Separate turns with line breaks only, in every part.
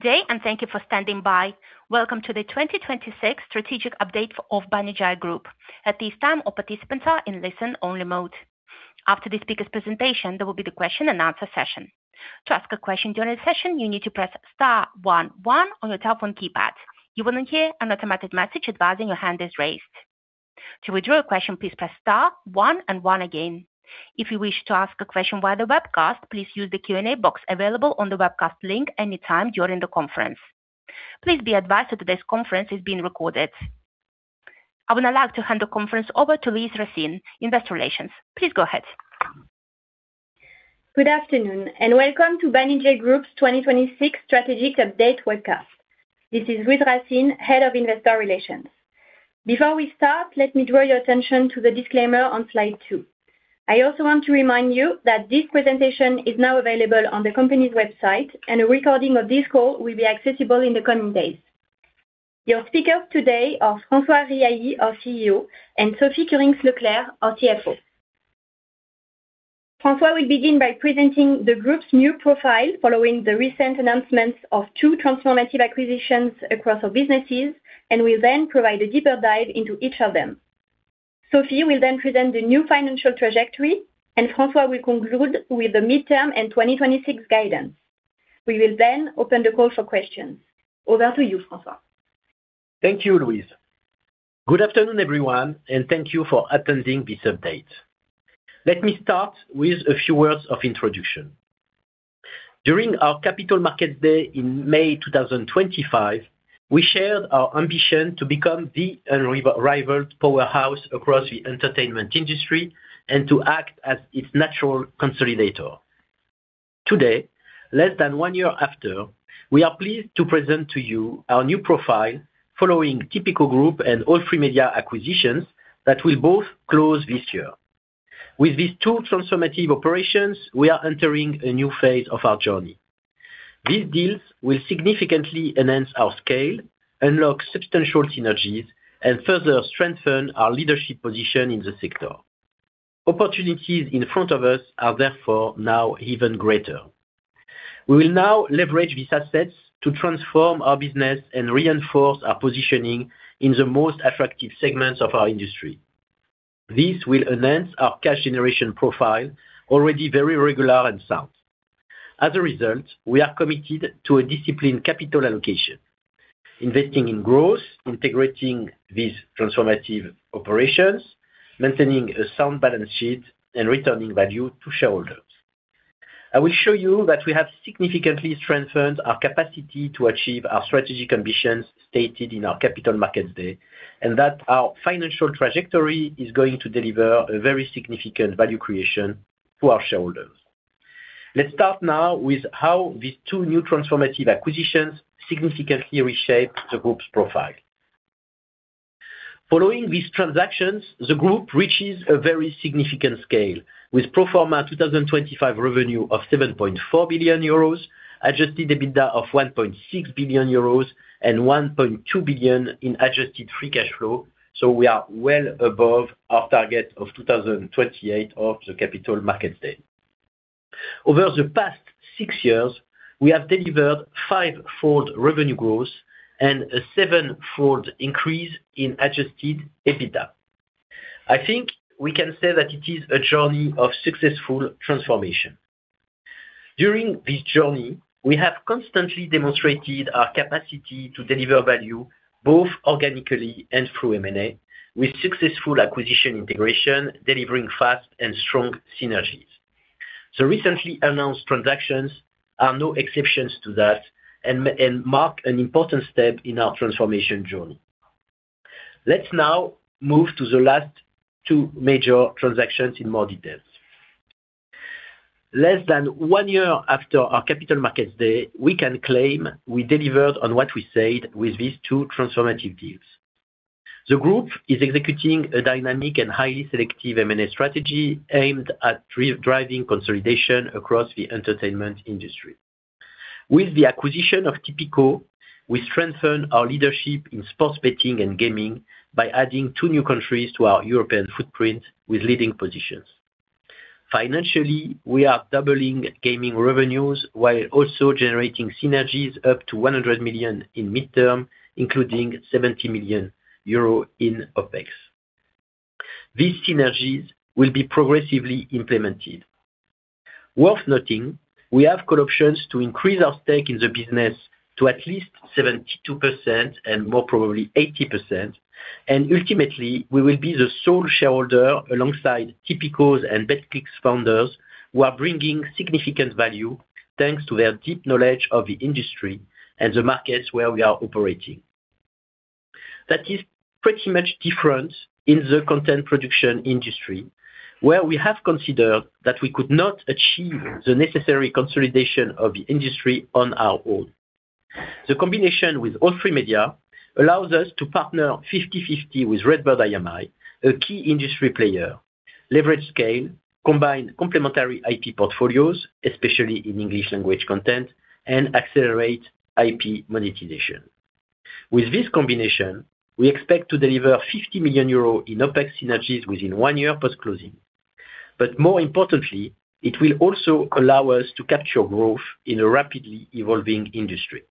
Today, thank you for standing by. Welcome to the 2026 strategic update of Banijay Group. At this time, all participants are in listen-only mode. After the speaker's presentation, there will be the question and answer session. To ask a question during the session, you need to press star one-one on your telephone keypad. You will then hear an automatic message advising your hand is raised. To withdraw your question, please press star one and one again. If you wish to ask a question via the webcast, please use the Q&A box available on the webcast link any time during the conference. Please be advised that today's conference is being recorded. I would now like to hand the conference over to Louise Racine, Investor Relations. Please go ahead.
Good afternoon, and welcome to Banijay Group's 2026 strategic update webcast. This is Louise Racine, Head of Investor Relations. Before we start, let me draw your attention to the disclaimer on slide two. I also want to remind you that this presentation is now available on the company's website, and a recording of this call will be accessible in the coming days. Your speakers today are François Riahi, our CEO, and Sophie Kurinckx-Leclerc, our CFO. François will begin by presenting the group's new profile following the recent announcements of two transformative acquisitions across our businesses and will then provide a deeper dive into each of them. Sophie will then present the new financial trajectory, and François will conclude with the midterm and 2026 guidance. We will then open the call for questions. Over to you, François.
Thank you, Louise. Good afternoon, everyone, and thank you for attending this update. Let me start with a few words of introduction. During our Capital Markets Day in May 2025, we shared our ambition to become the unrivaled powerhouse across the entertainment industry and to act as its natural consolidator. Today, less than one year after, we are pleased to present to you our new profile following Tipico Group and All3Media acquisitions that will both close this year. With these two transformative operations, we are entering a new phase of our journey. These deals will significantly enhance our scale, unlock substantial synergies, and further strengthen our leadership position in the sector. Opportunities in front of us are therefore now even greater. We will now leverage these assets to transform our business and reinforce our positioning in the most attractive segments of our industry. This will enhance our cash generation profile, already very regular and sound. As a result, we are committed to a disciplined capital allocation, investing in growth, integrating these transformative operations, maintaining a sound balance sheet, and returning value to shareholders. I will show you that we have significantly strengthened our capacity to achieve our strategic ambitions stated in our Capital Markets Day, and that our financial trajectory is going to deliver a very significant value creation to our shareholders. Let's start now with how these two new transformative acquisitions significantly reshape the group's profile. Following these transactions, the group reaches a very significant scale, with pro forma 2025 revenue of 7.4 billion euros, adjusted EBITDA of 1.6 billion euros, and 1.2 billion in adjusted free cash flow, so we are well above our target of 2028 of the Capital Markets Day. Over the past six years, we have delivered fivefold revenue growth and a sevenfold increase in adjusted EBITDA. I think we can say that it is a journey of successful transformation. During this journey, we have constantly demonstrated our capacity to deliver value both organically and through M&A, with successful acquisition integration delivering fast and strong synergies. The recently announced transactions are no exceptions to that and mark an important step in our transformation journey. Let's now move to the last two major transactions in more details. Less than one year after our Capital Markets Day, we can claim we delivered on what we said with these two transformative deals. The group is executing a dynamic and highly selective M&A strategy aimed at driving consolidation across the entertainment industry. With the acquisition of Tipico, we strengthen our leadership in sports betting and gaming by adding two new countries to our European footprint with leading positions. Financially, we are doubling gaming revenues while also generating synergies up to 100 million in midterm, including 70 million euro in OpEx. These synergies will be progressively implemented. Worth noting, we have call options to increase our stake in the business to at least 72% and more probably 80%, and ultimately, we will be the sole shareholder alongside Tipico's and Betclic's founders, who are bringing significant value thanks to their deep knowledge of the industry and the markets where we are operating. That is pretty much different in the content production industry, where we have considered that we could not achieve the necessary consolidation of the industry on our own. The combination with All3Media allows us to partner 50-50 with RedBird IMI, a key industry player, leverage scale, combine complementary IP portfolios, especially in English language content, and accelerate IP monetization. With this combination, we expect to deliver 50 million euros in OpEx synergies within one year post-closing. More importantly, it will also allow us to capture growth in a rapidly evolving industry.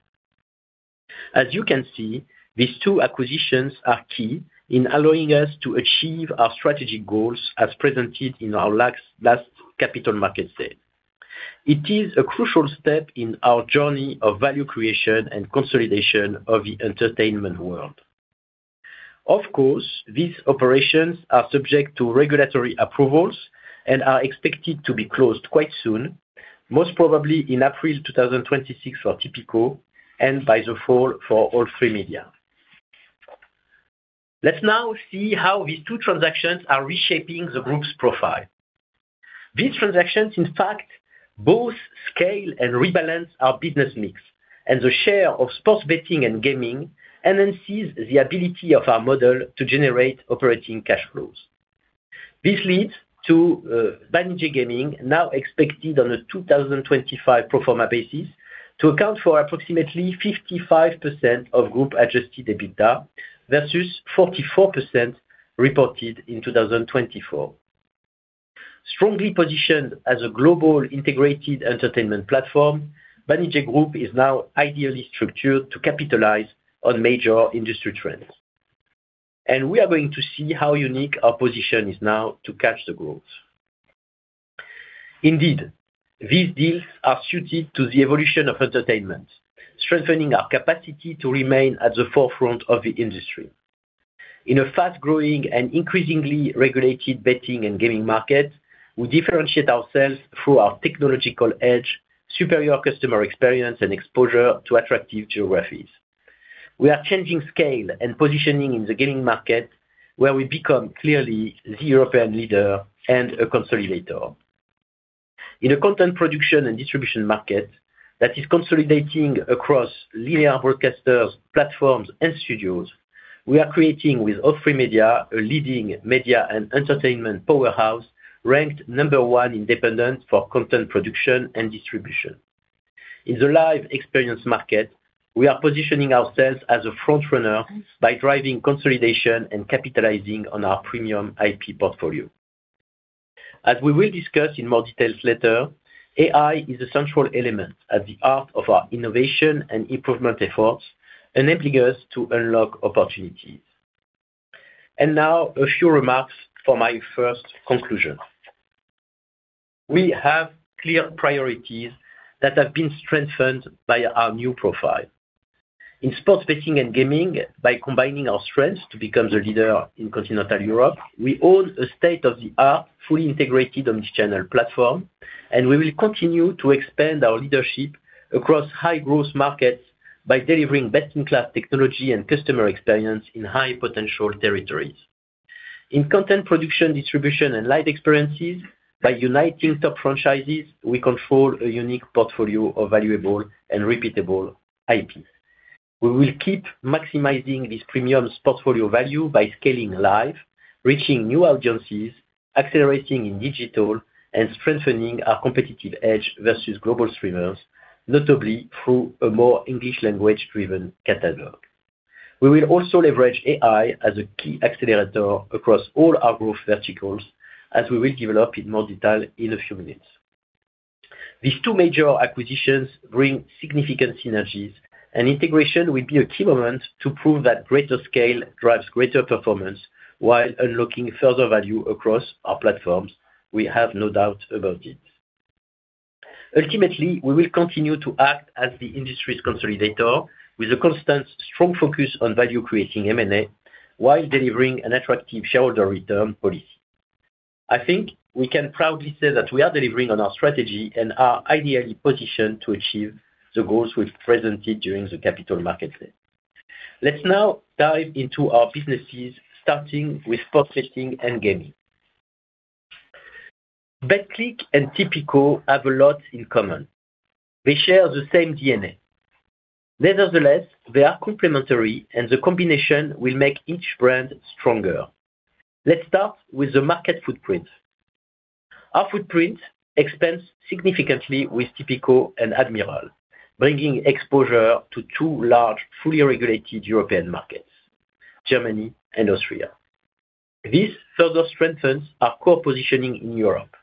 As you can see, these two acquisitions are key in allowing us to achieve our strategic goals as presented in our last Capital Markets Day. It is a crucial step in our journey of value creation and consolidation of the entertainment world. Of course, these operations are subject to regulatory approvals and are expected to be closed quite soon, most probably in April 2026 for Tipico and by the fall for All3Media. Let's now see how these two transactions are reshaping the group's profile. These transactions, in fact, both scale and rebalance our business mix and the share of sports betting and gaming enhances the ability of our model to generate operating cash flows. This leads to Banijay Gaming now expected on a 2025 pro forma basis to account for approximately 55% of group adjusted EBITDA versus 44% reported in 2024. Strongly positioned as a global integrated entertainment platform, Banijay Group is now ideally structured to capitalize on major industry trends, and we are going to see how unique our position is now to catch the growth. Indeed, these deals are suited to the evolution of entertainment, strengthening our capacity to remain at the forefront of the industry. In a fast-growing and increasingly regulated betting and gaming market, we differentiate ourselves through our technological edge, superior customer experience and exposure to attractive geographies. We are changing scale and positioning in the gaming market where we become clearly the European leader and a consolidator. In a content production and distribution market that is consolidating across linear broadcasters, platforms and studios, we are creating with All3Media, a leading media and entertainment powerhouse ranked number one independent for content production and distribution. In the live experience market, we are positioning ourselves as a front runner by driving consolidation and capitalizing on our premium IP portfolio. As we will discuss in more details later, AI is a central element at the heart of our innovation and improvement efforts, enabling us to unlock opportunities. Now a few remarks for my first conclusion. We have clear priorities that have been strengthened by our new profile. In sports betting and gaming, by combining our strengths to become the leader in continental Europe, we own a state-of-the-art, fully integrated omnichannel platform, and we will continue to expand our leadership across high growth markets by delivering best-in-class technology and customer experience in high potential territories. In content production, distribution and live experiences by uniting top franchises, we control a unique portfolio of valuable and repeatable IP. We will keep maximizing this premium's portfolio value by scaling live, reaching new audiences, accelerating in digital and strengthening our competitive edge versus global streamers, notably through a more English language driven catalog. We will also leverage AI as a key accelerator across all our growth verticals as we will develop in more detail in a few minutes. These two major acquisitions bring significant synergies and integration will be a key moment to prove that greater scale drives greater performance while unlocking further value across our platforms. We have no doubt about it. Ultimately, we will continue to act as the industry's consolidator with a constant strong focus on value creating M&A while delivering an attractive shareholder return policy. I think we can proudly say that we are delivering on our strategy and are ideally positioned to achieve the goals we've presented during the Capital Markets Day. Let's now dive into our businesses starting with sports betting and gaming. Betclic and Tipico have a lot in common. They share the same DNA. Nevertheless, they are complementary and the combination will make each brand stronger. Let's start with the market footprint. Our footprint expands significantly with Tipico and Admiral, bringing exposure to two large, fully regulated European markets, Germany and Austria. This further strengthens our core positioning in Europe,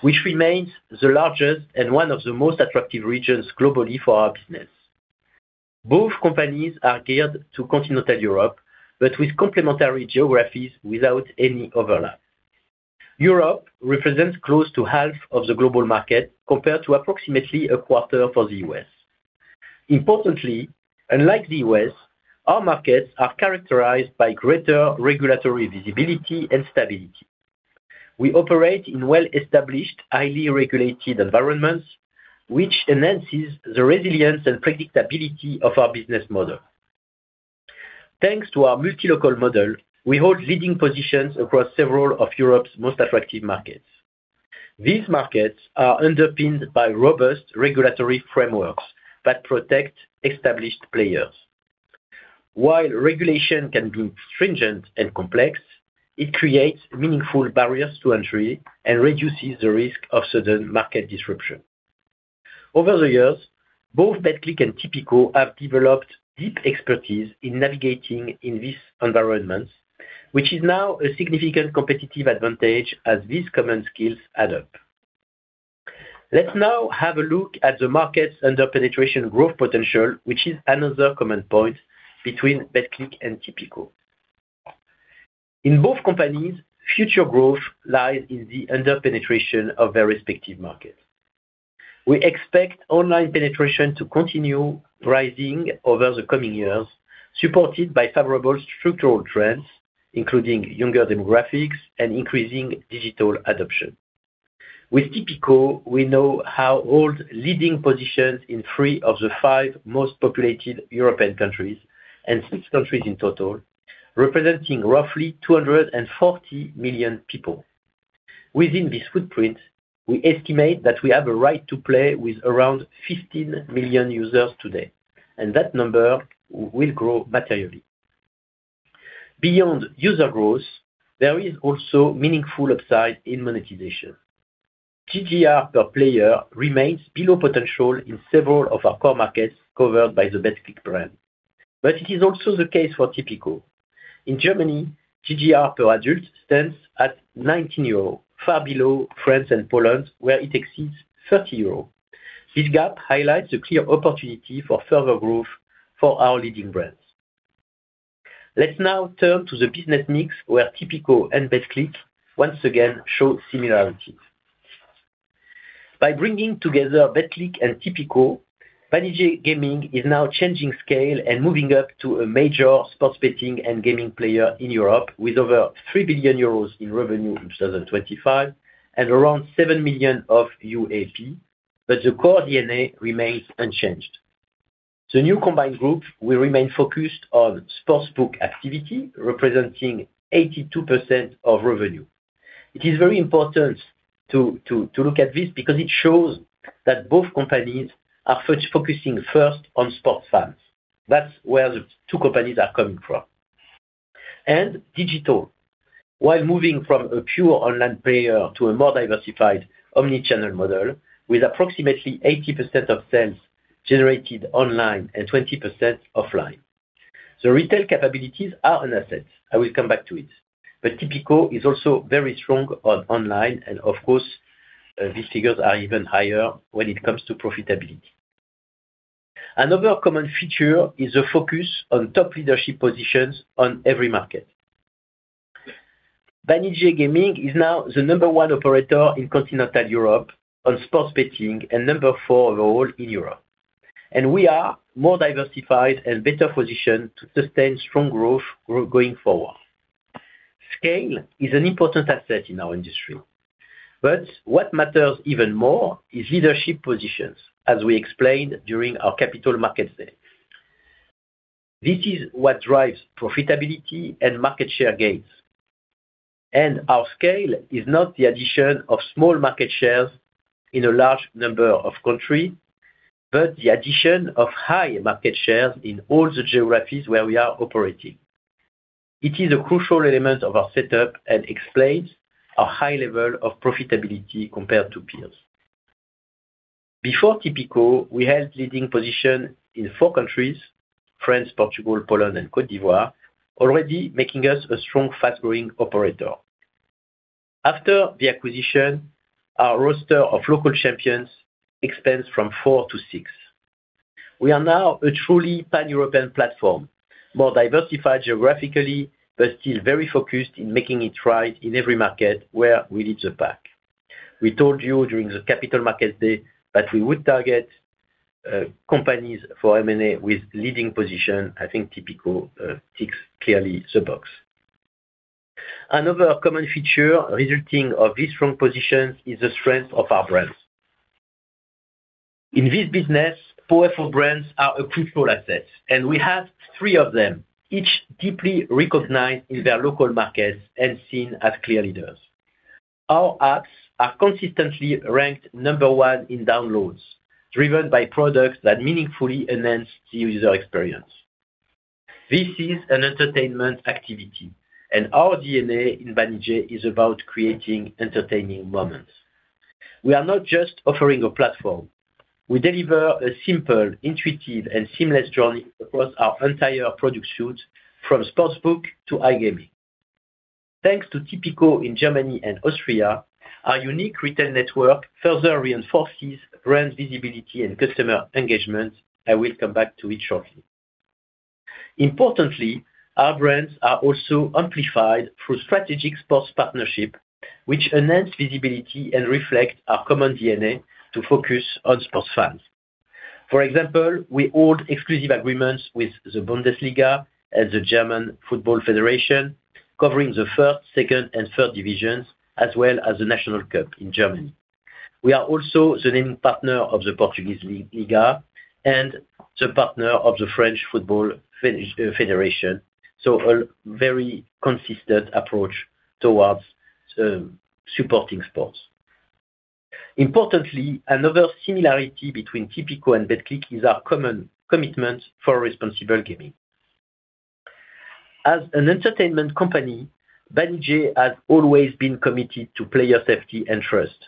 which remains the largest and one of the most attractive regions globally for our business. Both companies are geared to continental Europe, but with complementary geographies without any overlap. Europe represents close to half of the global market compared to approximately a quarter for the U.S. Importantly, unlike the U.S., our markets are characterized by greater regulatory visibility and stability. We operate in well-established, highly regulated environments, which enhances the resilience and predictability of our business model. Thanks to our multi-local model, we hold leading positions across several of Europe's most attractive markets. These markets are underpinned by robust regulatory frameworks that protect established players. While regulation can be stringent and complex, it creates meaningful barriers to entry and reduces the risk of sudden market disruption. Over the years, both Betclic and Tipico have developed deep expertise in navigating these environments, which is now a significant competitive advantage as these common skills add up. Let's now have a look at the markets' underpenetration growth potential, which is another common point between Betclic and Tipico. In both companies, future growth lies in the under-penetration of their respective markets. We expect online penetration to continue rising over the coming years, supported by favorable structural trends, including younger demographics and increasing digital adoption. With Tipico, we know it holds leading positions in three of the five most populated European countries and six countries in total, representing roughly 240 million people. Within this footprint, we estimate that we have a right to play with around 15 million users today, and that number will grow materially. Beyond user growth, there is also meaningful upside in monetization. GGR per player remains below potential in several of our core markets covered by the Betclic brand. It is also the case for Tipico. In Germany, GGR per adult stands at 19 euros, far below France and Poland, where it exceeds 30 euros. This gap highlights a clear opportunity for further growth for our leading brands. Let's now turn to the business mix where Tipico and Betclic once again show similarities. By bringing together Betclic and Tipico, Banijay Gaming is now changing scale and moving up to a major sports betting and gaming player in Europe with over 3 billion euros in revenue in 2025 and around 7 million UAP. The core DNA remains unchanged. The new combined group will remain focused on sportsbook activity, representing 82% of revenue. It is very important to look at this because it shows that both companies are focusing first on sports fans. That's where the two companies are coming from and digital. While moving from a pure online player to a more diversified omni-channel model with approximately 80% of sales generated online and 20% offline. Retail capabilities are an asset. I will come back to it. Tipico is also very strong on online, and of course, these figures are even higher when it comes to profitability. Another common feature is a focus on top leadership positions on every market. Banijay Gaming is now the number one operator in continental Europe on sports betting and number four overall in Europe. We are more diversified and better positioned to sustain strong growth going forward. Scale is an important asset in our industry. What matters even more is leadership positions, as we explained during our Capital Markets Day. This is what drives profitability and market share gains. Our scale is not the addition of small market shares in a large number of countries, but the addition of high market shares in all the geographies where we are operating. It is a crucial element of our setup and explains our high level of profitability compared to peers. Before Tipico, we held leading position in four countries, France, Portugal, Poland, and Côte d'Ivoire, already making us a strong, fast-growing operator. After the acquisition, our roster of local champions expands from four to six. We are now a truly Pan-European platform, more diversified geographically, but still very focused in making it right in every market where we lead the pack. We told you during the Capital Markets Day that we would target companies for M&A with leading position. I think Tipico ticks clearly the box. Another common feature resulting of this strong position is the strength of our brands. In this business, powerful brands are a crucial asset, and we have three of them, each deeply recognized in their local markets and seen as clear leaders. Our apps are consistently ranked number one in downloads, driven by products that meaningfully enhance the user experience. This is an entertainment activity, and our DNA in Banijay is about creating entertaining moments. We are not just offering a platform. We deliver a simple, intuitive, and seamless journey across our entire product suite from Sportsbook to iGaming. Thanks to Tipico in Germany and Austria, our unique retail network further reinforces brand visibility and customer engagement. I will come back to it shortly. Importantly, our brands are also amplified through strategic sports partnerships, which enhance visibility and reflect our common DNA to focus on sports fans. For example, we hold exclusive agreements with the Bundesliga and the German Football Association, covering the first, second, and third divisions, as well as the National Cup in Germany. We are also the naming partner of the Primeira Liga and the partner of the French Football Federation. A very consistent approach towards supporting sports. Importantly, another similarity between Tipico and Betclic is our common commitment for responsible gaming. As an entertainment company, Betclic has always been committed to player safety and trust.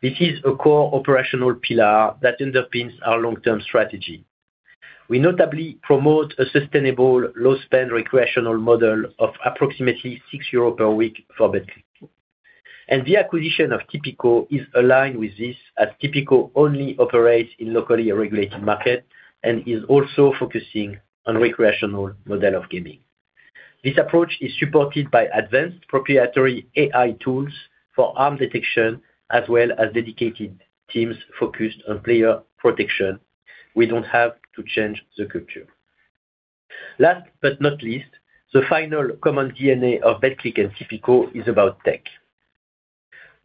This is a core operational pillar that underpins our long-term strategy. We notably promote a sustainable low spend recreational model of approximately 6 euro per week for Betclic. The acquisition of Tipico is aligned with this as Tipico only operates in locally regulated market and is also focusing on recreational model of gaming. This approach is supported by advanced proprietary AI tools for harm detection, as well as dedicated teams focused on player protection. We don't have to change the culture. Last but not least, the final common DNA of Betclic and Tipico is about tech.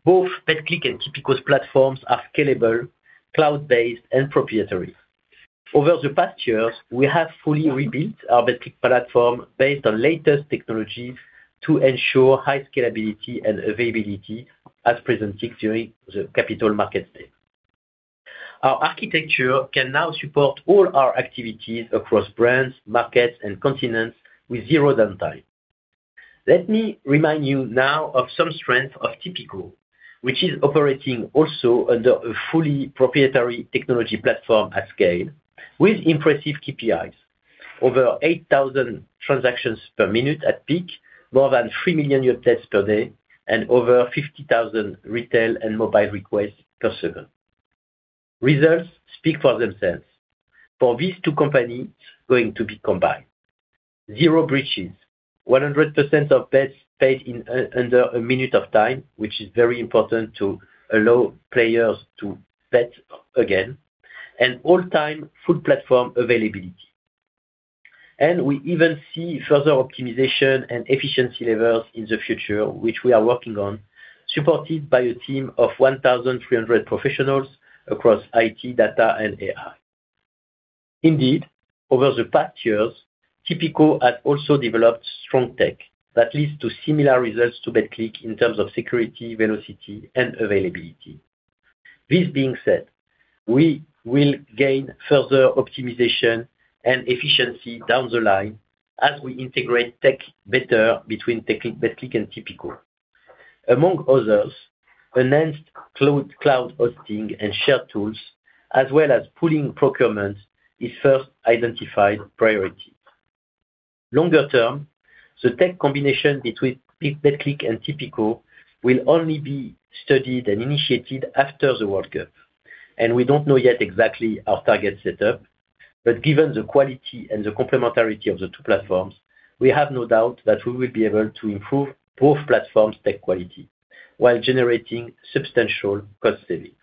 Both Betclic and Tipico's platforms are scalable, cloud-based, and proprietary. Over the past years, we have fully rebuilt our Betclic platform based on latest technology to ensure high scalability and availability as presented during the Capital Markets Day. Our architecture can now support all our activities across brands, markets, and continents with zero downtime. Let me remind you now of some strength of Tipico, which is operating also under a fully proprietary technology platform at scale with impressive KPIs. Over 8,000 transactions per minute at peak, more than 3 million new tests per day, and over 50,000 retail and mobile requests per second. Results speak for themselves. For these two companies going to be combined, zero breaches, 100% of bets paid in under a minute of time, which is very important to allow players to bet again, and all-time full platform availability. We even see further optimization and efficiency levels in the future, which we are working on, supported by a team of 1,300 professionals across IT, data, and AI. Indeed, over the past years, Tipico has also developed strong tech that leads to similar results to Betclic in terms of security, velocity, and availability. This being said, we will gain further optimization and efficiency down the line as we integrate tech better between Betclic and Tipico. Among others, enhanced cloud hosting and shared tools, as well as pooling procurement is first identified priority. Longer term, the tech combination between Betclic and Tipico will only be studied and initiated after the World Cup. We don't know yet exactly our target setup, but given the quality and the complementarity of the two platforms, we have no doubt that we will be able to improve both platforms tech quality while generating substantial cost savings.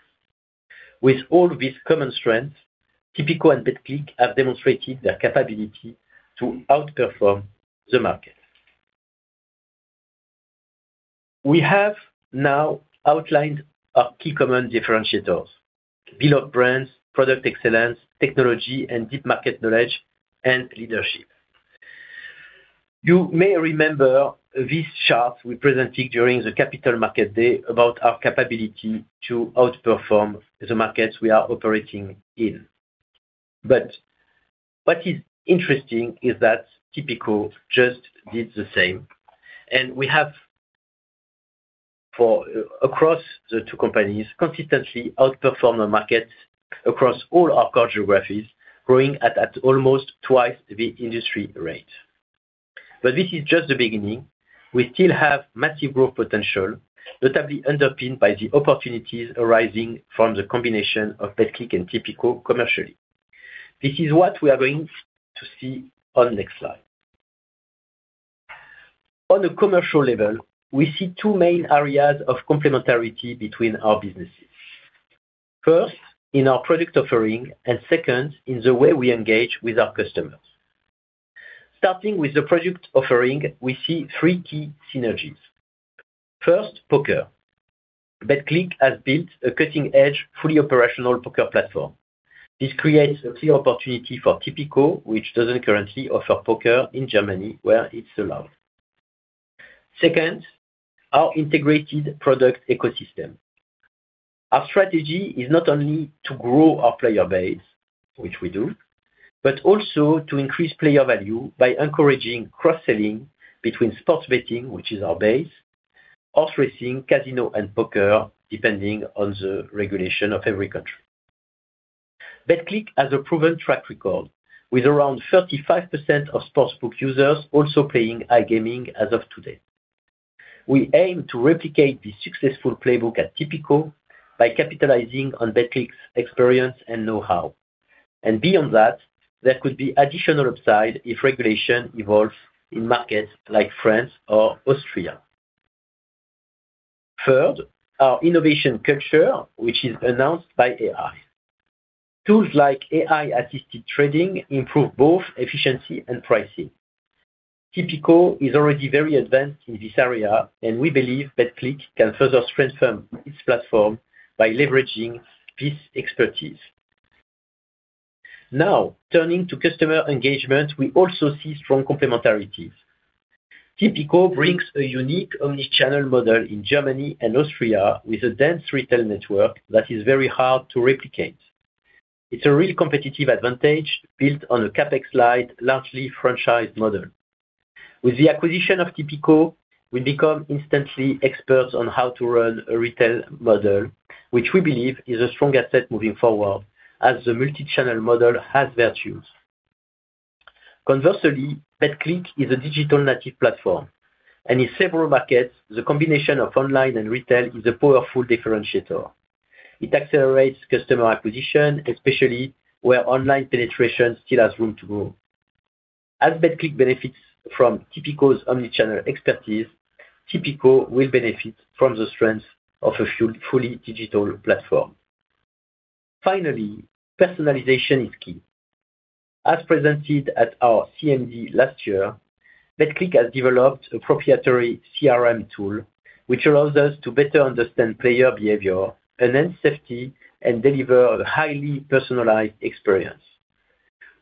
With all these common strengths, Tipico and Betclic have demonstrated their capability to outperform the market. We have now outlined our key common differentiators, beloved brands, product excellence, technology, and deep market knowledge and leadership. You may remember this chart we presented during the Capital Markets Day about our capability to outperform the markets we are operating in. What is interesting is that Tipico just did the same, and we have across the two companies, consistently outperform the markets across all our geographies, growing at almost twice the industry rate. This is just the beginning. We still have massive growth potential, notably underpinned by the opportunities arising from the combination of Betclic and Tipico commercially. This is what we are going to see on the next slide. On a commercial level, we see two main areas of complementarity between our businesses. First, in our product offering, and second, in the way we engage with our customers. Starting with the product offering, we see three key synergies. First, poker. Betclic has built a cutting-edge, fully operational poker platform. This creates a clear opportunity for Tipico, which doesn't currently offer poker in Germany where it's allowed. Second, our integrated product ecosystem. Our strategy is not only to grow our player base, which we do, but also to increase player value by encouraging cross-selling between sports betting, which is our base, horse racing, casino, and poker, depending on the regulation of every country. Betclic has a proven track record with around 35% of sportsbook users also playing iGaming as of today. We aim to replicate the successful playbook at Tipico by capitalizing on Betclic's experience and know-how. Beyond that, there could be additional upside if regulation evolves in markets like France or Austria. Third, our innovation culture, which is enhanced by AI. Tools like AI-assisted trading improve both efficiency and pricing. Tipico is already very advanced in this area, and we believe Betclic can further strengthen its platform by leveraging this expertise. Now, turning to customer engagement, we also see strong complementarities. Tipico brings a unique omni-channel model in Germany and Austria with a dense retail network that is very hard to replicate. It's a real competitive advantage built on a CapEx-lite, largely franchised model. With the acquisition of Tipico, we become instantly experts on how to run a retail model, which we believe is a strong asset moving forward as the multi-channel model has virtues. Conversely, Betclic is a digital-native platform, and in several markets, the combination of online and retail is a powerful differentiator. It accelerates customer acquisition, especially where online penetration still has room to grow. As Betclic benefits from Tipico's omni-channel expertise, Tipico will benefit from the strength of a fully digital platform. Finally, personalization is key. As presented at our CMD last year, Betclic has developed a proprietary CRM tool which allows us to better understand player behavior, enhance safety, and deliver a highly personalized experience.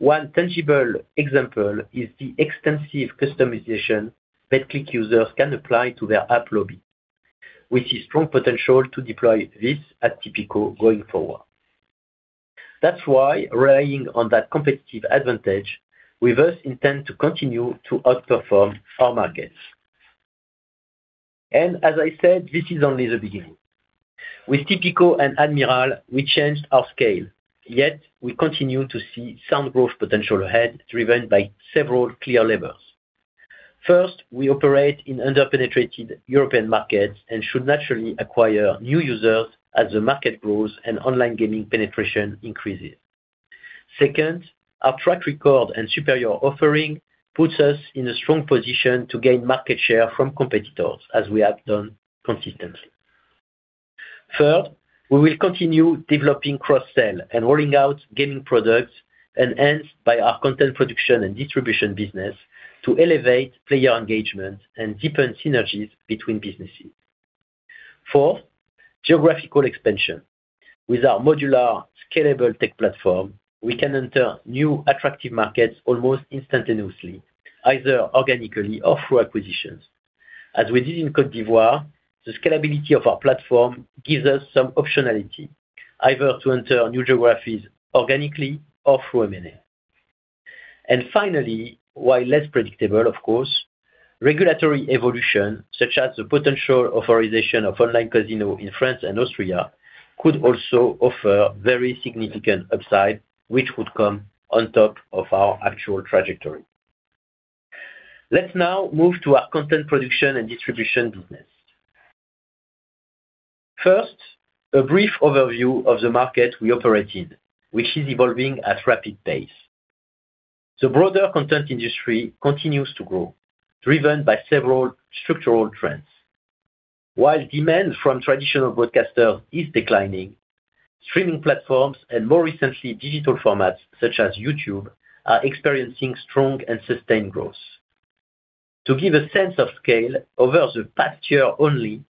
One tangible example is the extensive customization Betclic users can apply to their app lobby. We see strong potential to deploy this at Tipico going forward. That's why relying on that competitive advantage, we thus intend to continue to outperform our markets. As I said, this is only the beginning. With Tipico and Admiral, we changed our scale, yet we continue to see sound growth potential ahead, driven by several clear levers. First, we operate in under-penetrated European markets and should naturally acquire new users as the market grows and online gaming penetration increases. Second, our track record and superior offering puts us in a strong position to gain market share from competitors, as we have done consistently. Third, we will continue developing cross-sell and rolling out gaming products enhanced by our content production and distribution business to elevate player engagement and deepen synergies between businesses. Fourth, geographical expansion. With our modular, scalable tech platform, we can enter new attractive markets almost instantaneously, either organically or through acquisitions. As we did in Côte d'Ivoire, the scalability of our platform gives us some optionality either to enter new geographies organically or through M&A. Finally, while less predictable, of course, regulatory evolution, such as the potential authorization of online casino in France and Austria, could also offer very significant upside, which would come on top of our actual trajectory. Let's now move to our content production and distribution business. First, a brief overview of the market we operate in, which is evolving at rapid pace. The broader content industry continues to grow, driven by several structural trends. While demand from traditional broadcasters is declining, streaming platforms and more recently, digital formats such as YouTube, are experiencing strong and sustained growth. To give a sense of scale, over the past year only,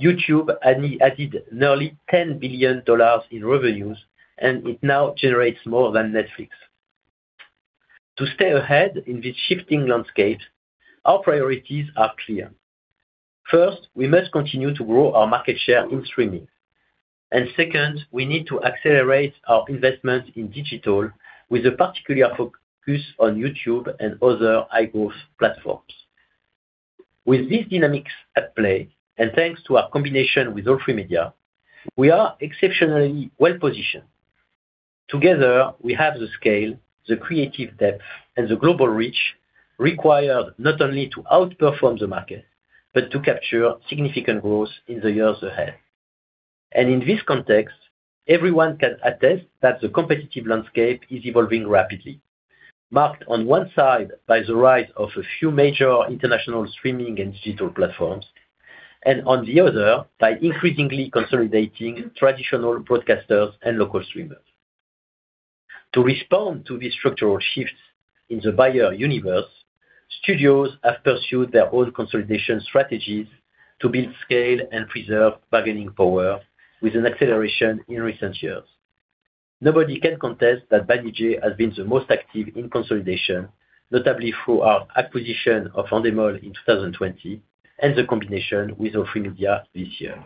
YouTube added nearly $10 billion in revenues, and it now generates more than Netflix. To stay ahead in this shifting landscape, our priorities are clear. First, we must continue to grow our market share in streaming. Second, we need to accelerate our investment in digital with a particular focus on YouTube and other high-growth platforms. With these dynamics at play, and thanks to our combination with All3Media, we are exceptionally well-positioned. Together, we have the scale, the creative depth, and the global reach required not only to outperform the market, but to capture significant growth in the years ahead. In this context, everyone can attest that the competitive landscape is evolving rapidly, marked on one side by the rise of a few major international streaming and digital platforms, and on the other, by increasingly consolidating traditional broadcasters and local streamers. To respond to these structural shifts in the buyer universe, studios have pursued their own consolidation strategies to build scale and preserve bargaining power with an acceleration in recent years. Nobody can contest that Banijay has been the most active in consolidation, notably through our acquisition of Endemol in 2020 and the combination with All3Media this year.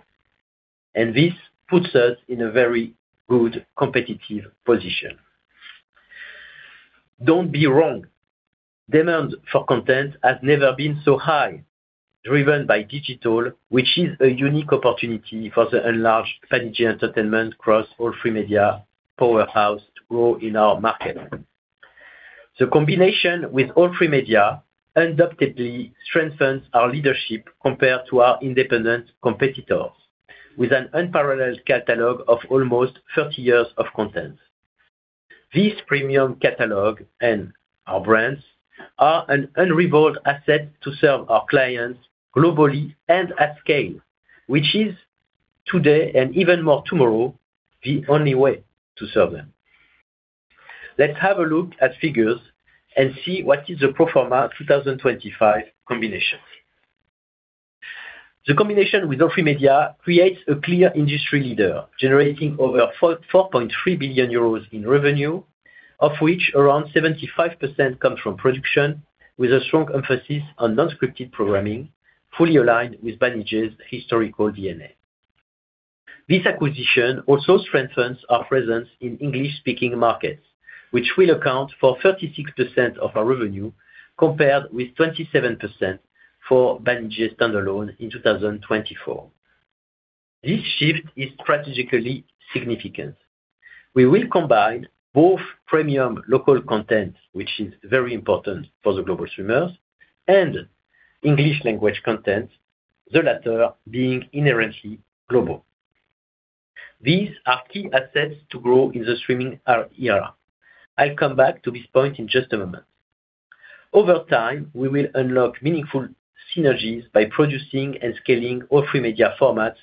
This puts us in a very good competitive position. Don't be wrong. Demand for content has never been so high, driven by digital, which is a unique opportunity for the enlarged Banijay Entertainment across All3Media powerhouse to grow in our market. The combination with All3Media undoubtedly strengthens our leadership compared to our independent competitors, with an unparalleled catalog of almost 30 years of content. This premium catalog and our brands are an unrivaled asset to serve our clients globally and at scale, which is today, and even more tomorrow, the only way to serve them. Let's have a look at figures and see what is the pro forma 2025 combination. The combination with All3Media creates a clear industry leader, generating over 4.3 billion euros in revenue. Of which around 75% comes from production, with a strong emphasis on non-scripted programming, fully aligned with Banijay's historical DNA. This acquisition also strengthens our presence in English-speaking markets, which will account for 36% of our revenue compared with 27% for Banijay standalone in 2024. This shift is strategically significant. We will combine both premium local content, which is very important for the global streamers, and English language content, the latter being inherently global. These are key assets to grow in the streaming era. I'll come back to this point in just a moment. Over time, we will unlock meaningful synergies by producing and scaling All3Media formats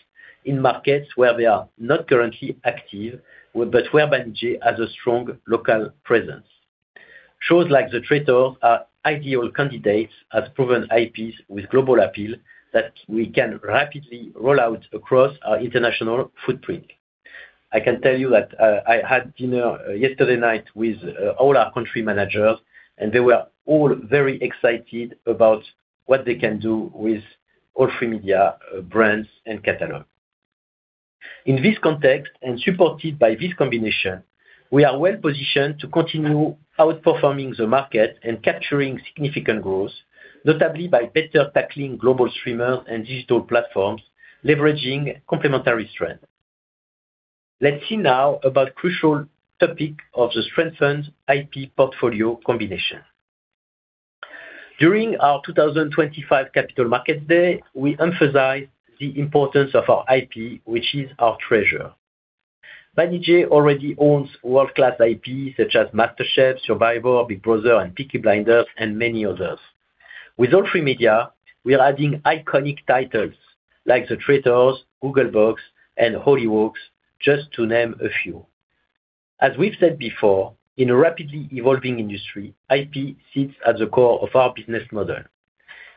in markets where they are not currently active, but where Banijay has a strong local presence. Shows like The Traitors are ideal candidates as proven IPs with global appeal that we can rapidly roll out across our international footprint. I can tell you that, I had dinner yesterday night with, all our country managers, and they were all very excited about what they can do with All3Media brands and catalog. In this context, and supported by this combination, we are well-positioned to continue outperforming the market and capturing significant growth, notably by better tackling global streamers and digital platforms, leveraging complementary strength. Let's see now about crucial topic of the strengthened IP portfolio combination. During our 2025 Capital Markets Day, we emphasized the importance of our IP, which is our treasure. Banijay already owns world-class IP such as MasterChef, Survivor, Big Brother, and Peaky Blinders, and many others. With All3Media, we're adding iconic titles like The Traitors, Gogglebox, and Hollyoaks, just to name a few. As we've said before, in a rapidly evolving industry, IP sits at the core of our business model.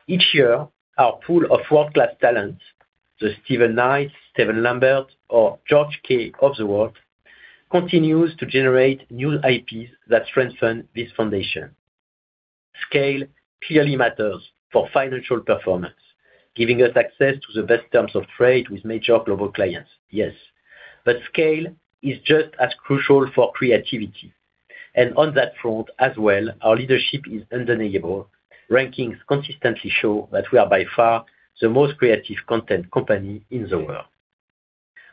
Each year, our pool of world-class talent, the Steven Knight, Stephen Lambert or George Kay of the world, continues to generate new IPs that strengthen this foundation. Scale clearly matters for financial performance, giving us access to the best terms of trade with major global clients, yes. Scale is just as crucial for creativity, and on that front as well, our leadership is undeniable. Rankings consistently show that we are by far the most creative content company in the world.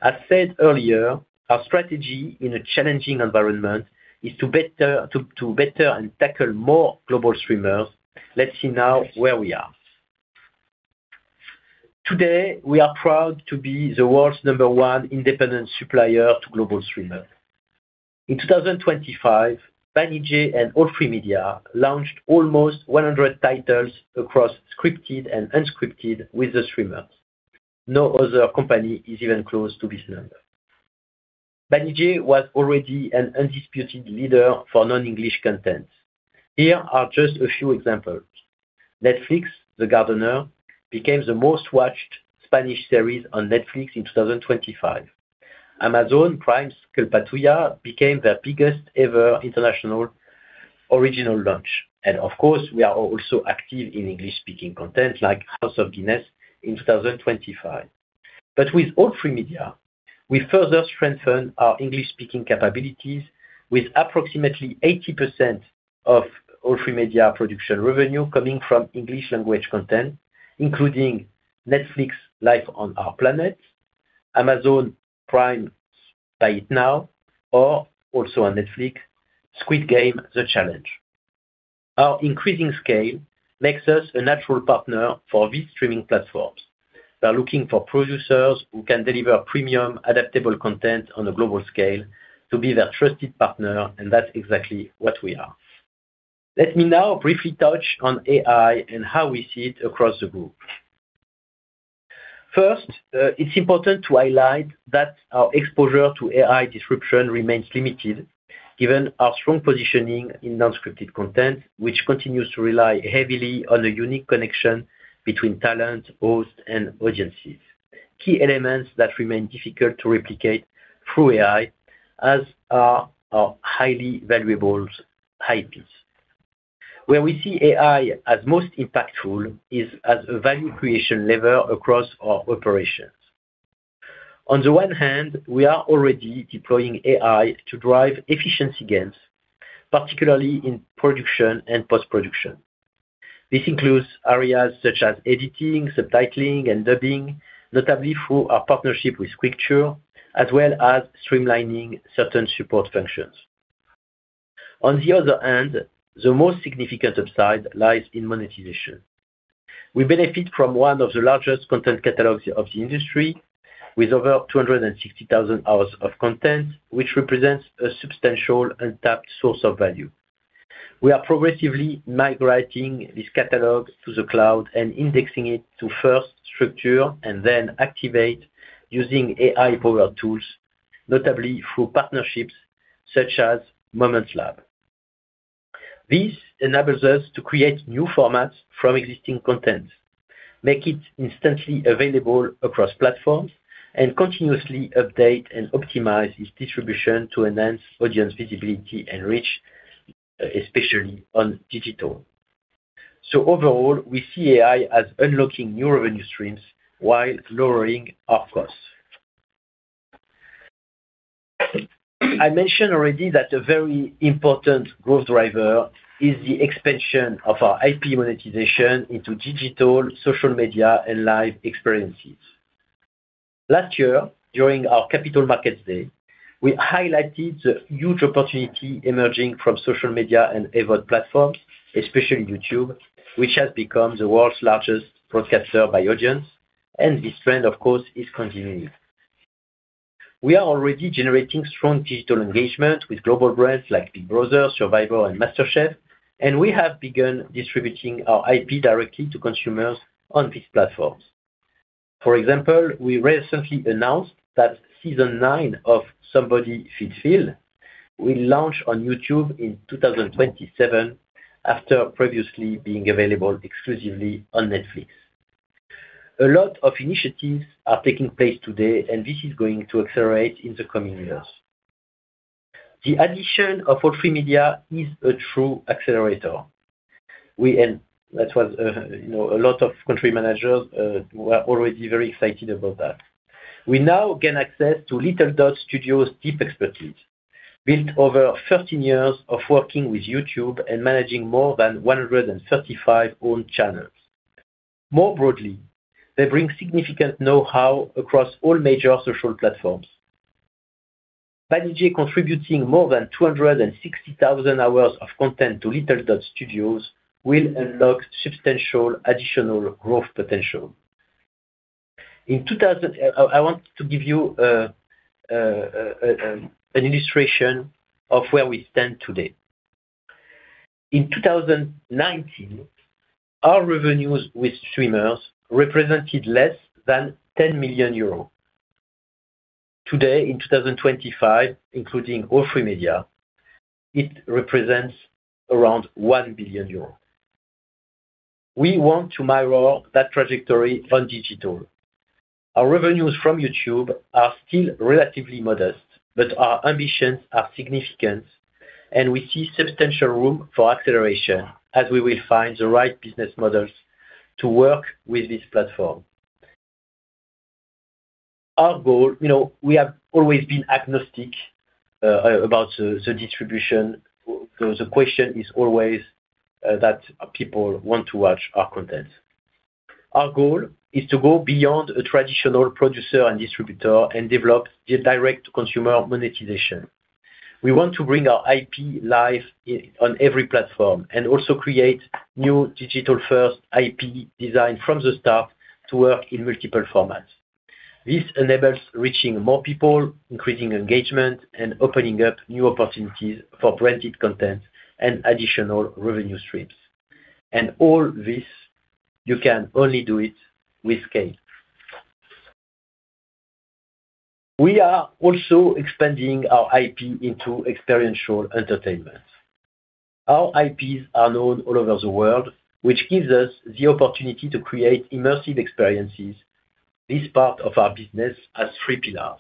As said earlier, our strategy in a challenging environment is to better and tackle more global streamers. Let's see now where we are. Today, we are proud to be the world's number one independent supplier to global streamers. In 2025, Banijay and All3Media launched almost 100 titles across scripted and unscripted with the streamers. No other company is even close to this number. Banijay was already an undisputed leader for non-English content. Here are just a few examples. Netflix, The Gardener, became the most-watched Spanish series on Netflix in 2025. Amazon Prime's Culpa Tuya became their biggest ever international original launch. Of course, we are also active in English-speaking content like House of Guinness in 2025. With All3Media, we further strengthen our English-speaking capabilities with approximately 80% of All3Media production revenue coming from English language content, including Netflix's Life on Our Planet, Amazon Prime's Buy It Now, or also on Netflix, Squid Game: The Challenge. Our increasing scale makes us a natural partner for these streaming platforms. They're looking for producers who can deliver premium, adaptable content on a global scale to be their trusted partner, and that's exactly what we are. Let me now briefly touch on AI and how we see it across the group. First, it's important to highlight that our exposure to AI disruption remains limited given our strong positioning in non-scripted content, which continues to rely heavily on the unique connection between talent, host, and audiences, key elements that remain difficult to replicate through AI, as are our highly valuable IPs. Where we see AI as most impactful is as a value creation lever across our operations. On the one hand, we are already deploying AI to drive efficiency gains, particularly in production and post-production. This includes areas such as editing, subtitling, and dubbing, notably through our partnership with Script-q, as well as streamlining certain support functions. On the other hand, the most significant upside lies in monetization. We benefit from one of the largest content catalogs of the industry with over 260,000 hours of content, which represents a substantial untapped source of value. We are progressively migrating this catalog to the cloud and indexing it to first structure and then activate using AI-powered tools, notably through partnerships such as Moments Lab. This enables us to create new formats from existing content, make it instantly available across platforms, and continuously update and optimize its distribution to enhance audience visibility and reach, especially on digital. Overall, we see AI as unlocking new revenue streams while lowering our costs. I mentioned already that a very important growth driver is the expansion of our IP monetization into digital, social media, and live experiences. Last year, during our Capital Markets Day, we highlighted the huge opportunity emerging from social media and AVOD platforms, especially YouTube, which has become the world's largest broadcaster by audience, and this trend, of course, is continuing. We are already generating strong digital engagement with global brands like Big Brother, Survivor, and MasterChef, and we have begun distributing our IP directly to consumers on these platforms. For example, we recently announced that season 9 of Somebody Feed Phil will launch on YouTube in 2027 after previously being available exclusively on Netflix. A lot of initiatives are taking place today, and this is going to accelerate in the coming years. The addition of All3Media is a true accelerator. We and that was, you know, a lot of country managers were already very excited about that. We now gain access to Little Dot Studios' deep expertise, built over 13 years of working with YouTube and managing more than 135 owned channels. More broadly, they bring significant know-how across all major social platforms. Banijay contributing more than 260,000 hours of content to Little Dot Studios will unlock substantial additional growth potential. I want to give you an illustration of where we stand today. In 2019, our revenues with streamers represented less than 10 million euros. Today, in 2025, including All3Media, it represents around 1 billion euros. We want to mirror that trajectory on digital. Our revenues from YouTube are still relatively modest, but our ambitions are significant, and we see substantial room for acceleration as we will find the right business models to work with this platform. Our goal, you know, we have always been agnostic about the distribution. So the question is always that people want to watch our content. Our goal is to go beyond a traditional producer and distributor and develop the direct consumer monetization. We want to bring our IP live on every platform and also create new digital-first IP design from the start to work in multiple formats. This enables reaching more people, increasing engagement, and opening up new opportunities for branded content and additional revenue streams. All this, you can only do it with scale. We are also expanding our IP into experiential entertainment. Our IPs are known all over the world, which gives us the opportunity to create immersive experiences. This part of our business has three pillars.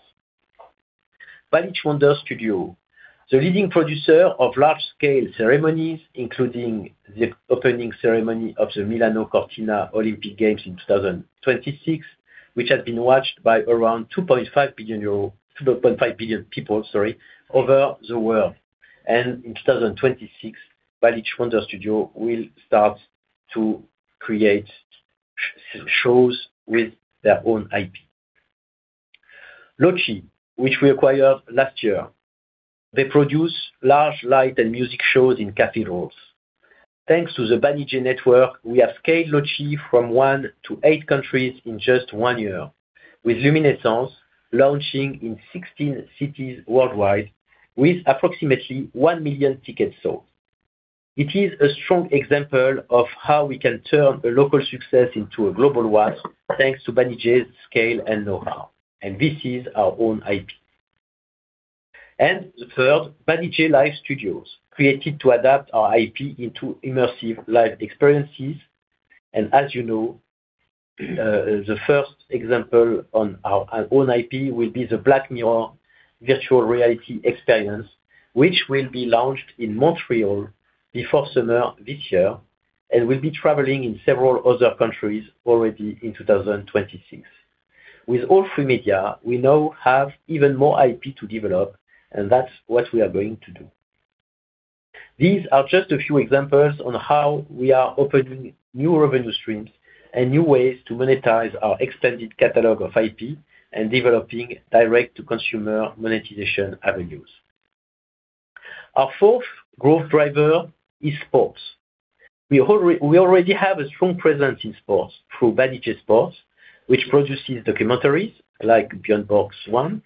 Banijay Wonders Studio, the leading producer of large-scale ceremonies, including the opening ceremony of the Milano Cortina 2026 Olympic Games IN 2026, which had been watched by around 2.5 billion people over the world. In 2026, Banijay Wonders Studio will start to create shows with their own IP. LOTI, which we acquired last year. They produce large light and music shows in cathedrals. Thanks to the Banijay network, we have scaled LOTI from one to 8 countries in just one year, with Luminescence launching in 16 cities worldwide with approximately 1 million tickets sold. It is a strong example of how we can turn a local success into a global one, thanks to Banijay's scale and know-how, and this is our own IP. The third, Banijay Live Studios, created to adapt our IP into immersive live experiences. As you know, the first example on our own IP will be the Black Mirror virtual reality experience, which will be launched in Montreal before summer this year and will be traveling in several other countries already in 2026. With All3Media, we now have even more IP to develop, and that's what we are going to do. These are just a few examples on how we are opening new revenue streams and new ways to monetize our extended catalog of IP and developing direct-to-consumer monetization avenues. Our fourth growth driver is sports. We already have a strong presence in sports through Banijay Sports, which produces documentaries like Björn Borg Swan,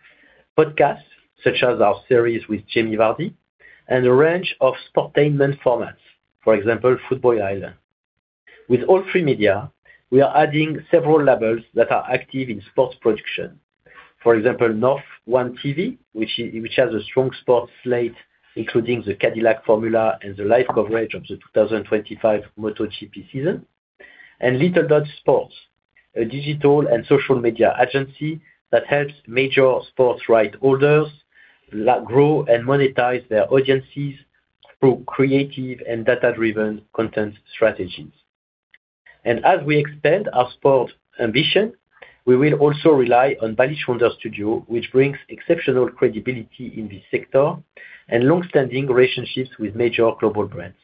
podcasts such as our series with Jamie Vardy, and a range of sportainment formats, for example, Football Island. With All3Media, we are adding several labels that are active in sports production. For example, North One TV, which has a strong sports slate, including the Cadillac F1 and the live coverage of the 2025 MotoGP season. Little Dot Sport, a digital and social media agency that helps major sports rights holders grow and monetize their audiences through creative and data-driven content strategies. As we expand our sports ambition, we will also rely on Balich Wonder Studio, which brings exceptional credibility in this sector and long-standing relationships with major global brands.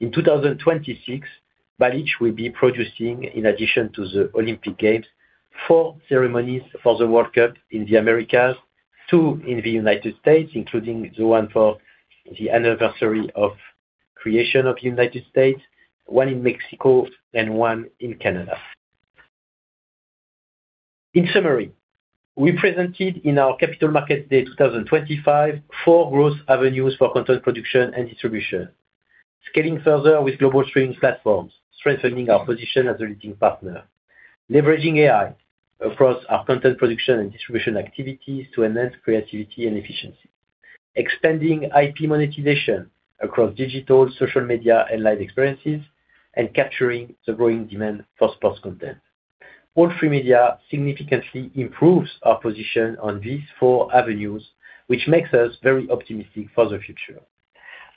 In 2026, Balich will be producing, in addition to the Olympic Games, 4 ceremonies for the World Cup in the Americas, two in the United States, including the one for the anniversary of creation of United States, one in Mexico, and one in Canada. In summary, we presented in our Capital Markets Day 2025 four growth avenues for content production and distribution, scaling further with global streaming platforms, strengthening our position as a leading partner, leveraging AI across our content production and distribution activities to enhance creativity and efficiency, expanding IP monetization across digital, social media, and live experiences, and capturing the growing demand for sports content. All3Media significantly improves our position on these four avenues, which makes us very optimistic for the future.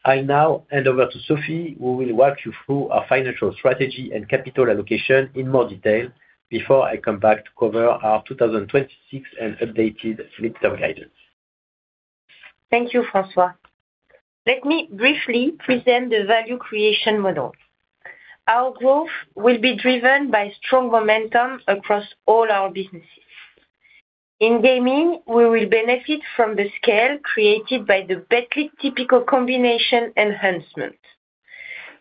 I'll now hand over to Sophie, who will walk you through our financial strategy and capital allocation in more detail before I come back to cover our 2026 and updated full-year guidance.
Thank you, François. Let me briefly present the value creation model. Our growth will be driven by strong momentum across all our businesses. In gaming, we will benefit from the scale created by the Betclic/Tipico combination enhancement.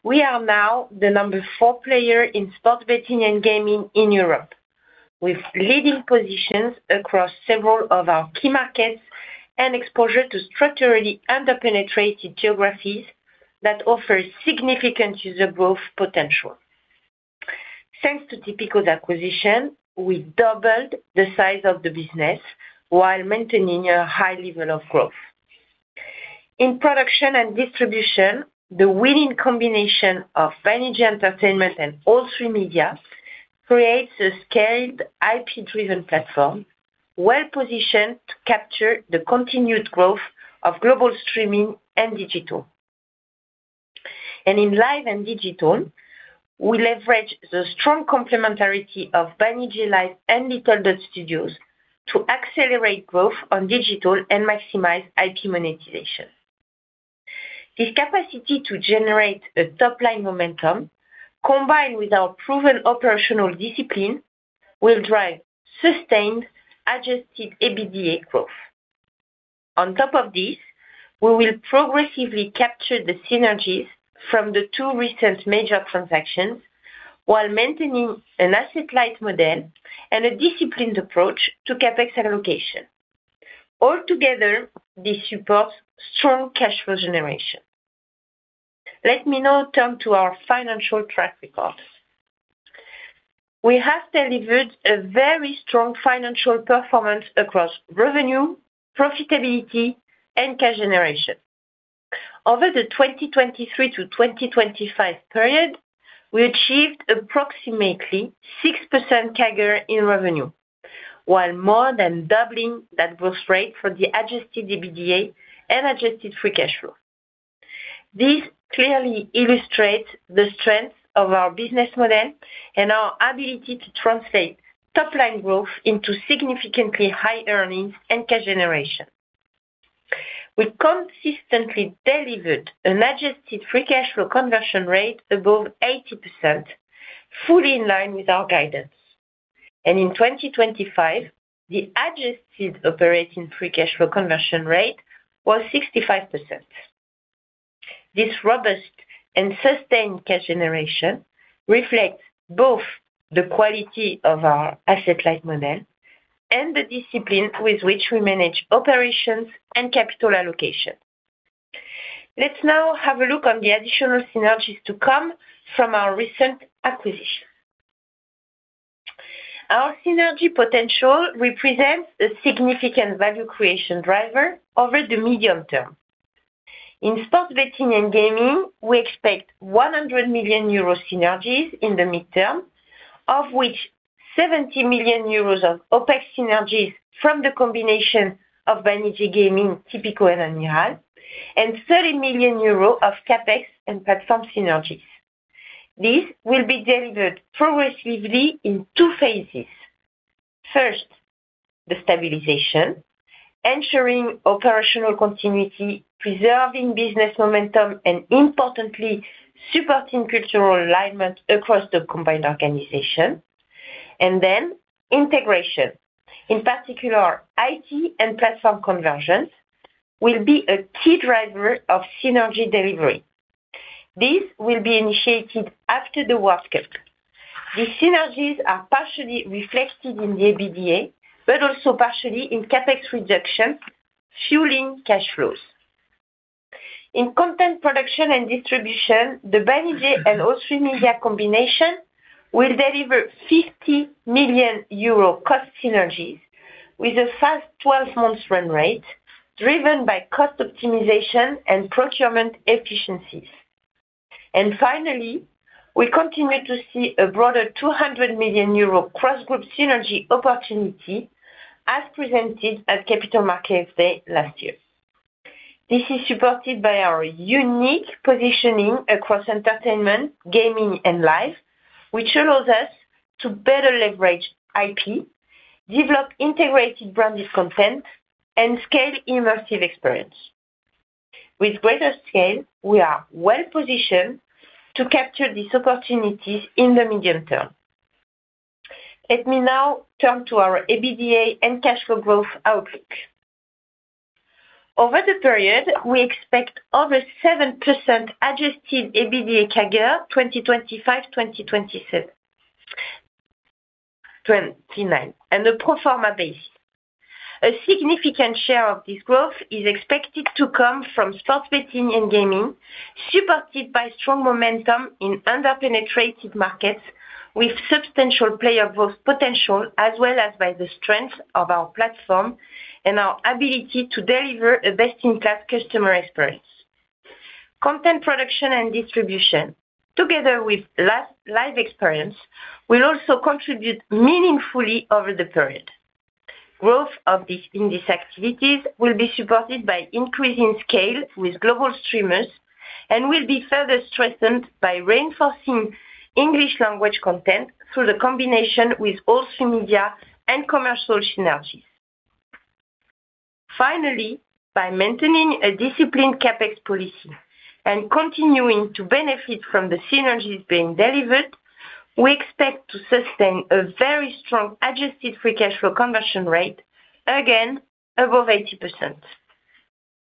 We are now the number four player in sports betting and gaming in Europe, with leading positions across several of our key markets and exposure to structurally under-penetrated geographies that offer significant user growth potential. Thanks to Tipico's acquisition, we doubled the size of the business while maintaining a high level of growth. In production and distribution, the winning combination of Banijay Entertainment and All3Media creates a scaled IP-driven platform well-positioned to capture the continued growth of global streaming and digital. In live and digital, we leverage the strong complementarity of Banijay Live and Little Dot Studios to accelerate growth on digital and maximize IP monetization. This capacity to generate a top-line momentum, combined with our proven operational discipline, will drive sustained adjusted EBITDA growth. On top of this, we will progressively capture the synergies from the two recent major transactions while maintaining an asset-light model and a disciplined approach to CapEx allocation. Altogether, this supports strong cash flow generation. Let me now turn to our financial track record. We have delivered a very strong financial performance across revenue, profitability, and cash generation. Over the 2023 to 2025 period, we achieved approximately 6% CAGR in revenue, while more than doubling that growth rate for the adjusted EBITDA and adjusted free cash flow. This clearly illustrates the strength of our business model and our ability to translate top-line growth into significantly high earnings and cash generation. We consistently delivered an adjusted free cash flow conversion rate above 80%, fully in line with our guidance. In 2025, the adjusted operating free cash flow conversion rate was 65%. This robust and sustained cash generation reflects both the quality of our asset-light model and the discipline with which we manage operations and capital allocation. Let's now have a look on the additional synergies to come from our recent acquisition. Our synergy potential represents a significant value creation driver over the medium term. In sports betting and gaming, we expect 100 million euro synergies in the midterm, of which 70 million euros of OpEx synergies from the combination of Banijay Gaming, Tipico and Admiral, and 30 million euros of CapEx and platform synergies. This will be delivered progressively in two phases. First, the stabilization, ensuring operational continuity, preserving business momentum, and importantly, supporting cultural alignment across the combined organization. Then integration, in particular, IT and platform convergence, will be a key driver of synergy delivery. This will be initiated after the World Cup. These synergies are partially reflected in the EBITDA, but also partially in CapEx reduction, fueling cash flows. In content production and distribution, the Banijay and All3Media combination will deliver 50 million euro cost synergies with a fast 12-month run rate driven by cost optimization and procurement efficiencies. Finally, we continue to see a broader 200 million euro cross-group synergy opportunity as presented at Capital Markets Day last year. This is supported by our unique positioning across entertainment, gaming, and live, which allows us to better leverage IP, develop integrated branded content, and scale immersive experience. With greater scale, we are well-positioned to capture these opportunities in the medium term. Let me now turn to our EBITDA and cash flow growth outlook. Over the period, we expect over 7% adjusted EBITDA CAGR, 2025, 2027, 2029 on a pro forma basis. A significant share of this growth is expected to come from sports betting and gaming, supported by strong momentum in under-penetrated markets with substantial player growth potential as well as by the strength of our platform and our ability to deliver a best-in-class customer experience. Content production and distribution, together with live experience, will also contribute meaningfully over the period. Growth in these activities will be supported by increasing scale with global streamers and will be further strengthened by reinforcing English language content through the combination with All3Media and commercial synergies. Finally, by maintaining a disciplined CapEx policy and continuing to benefit from the synergies being delivered, we expect to sustain a very strong adjusted free cash flow conversion rate, again above 80%.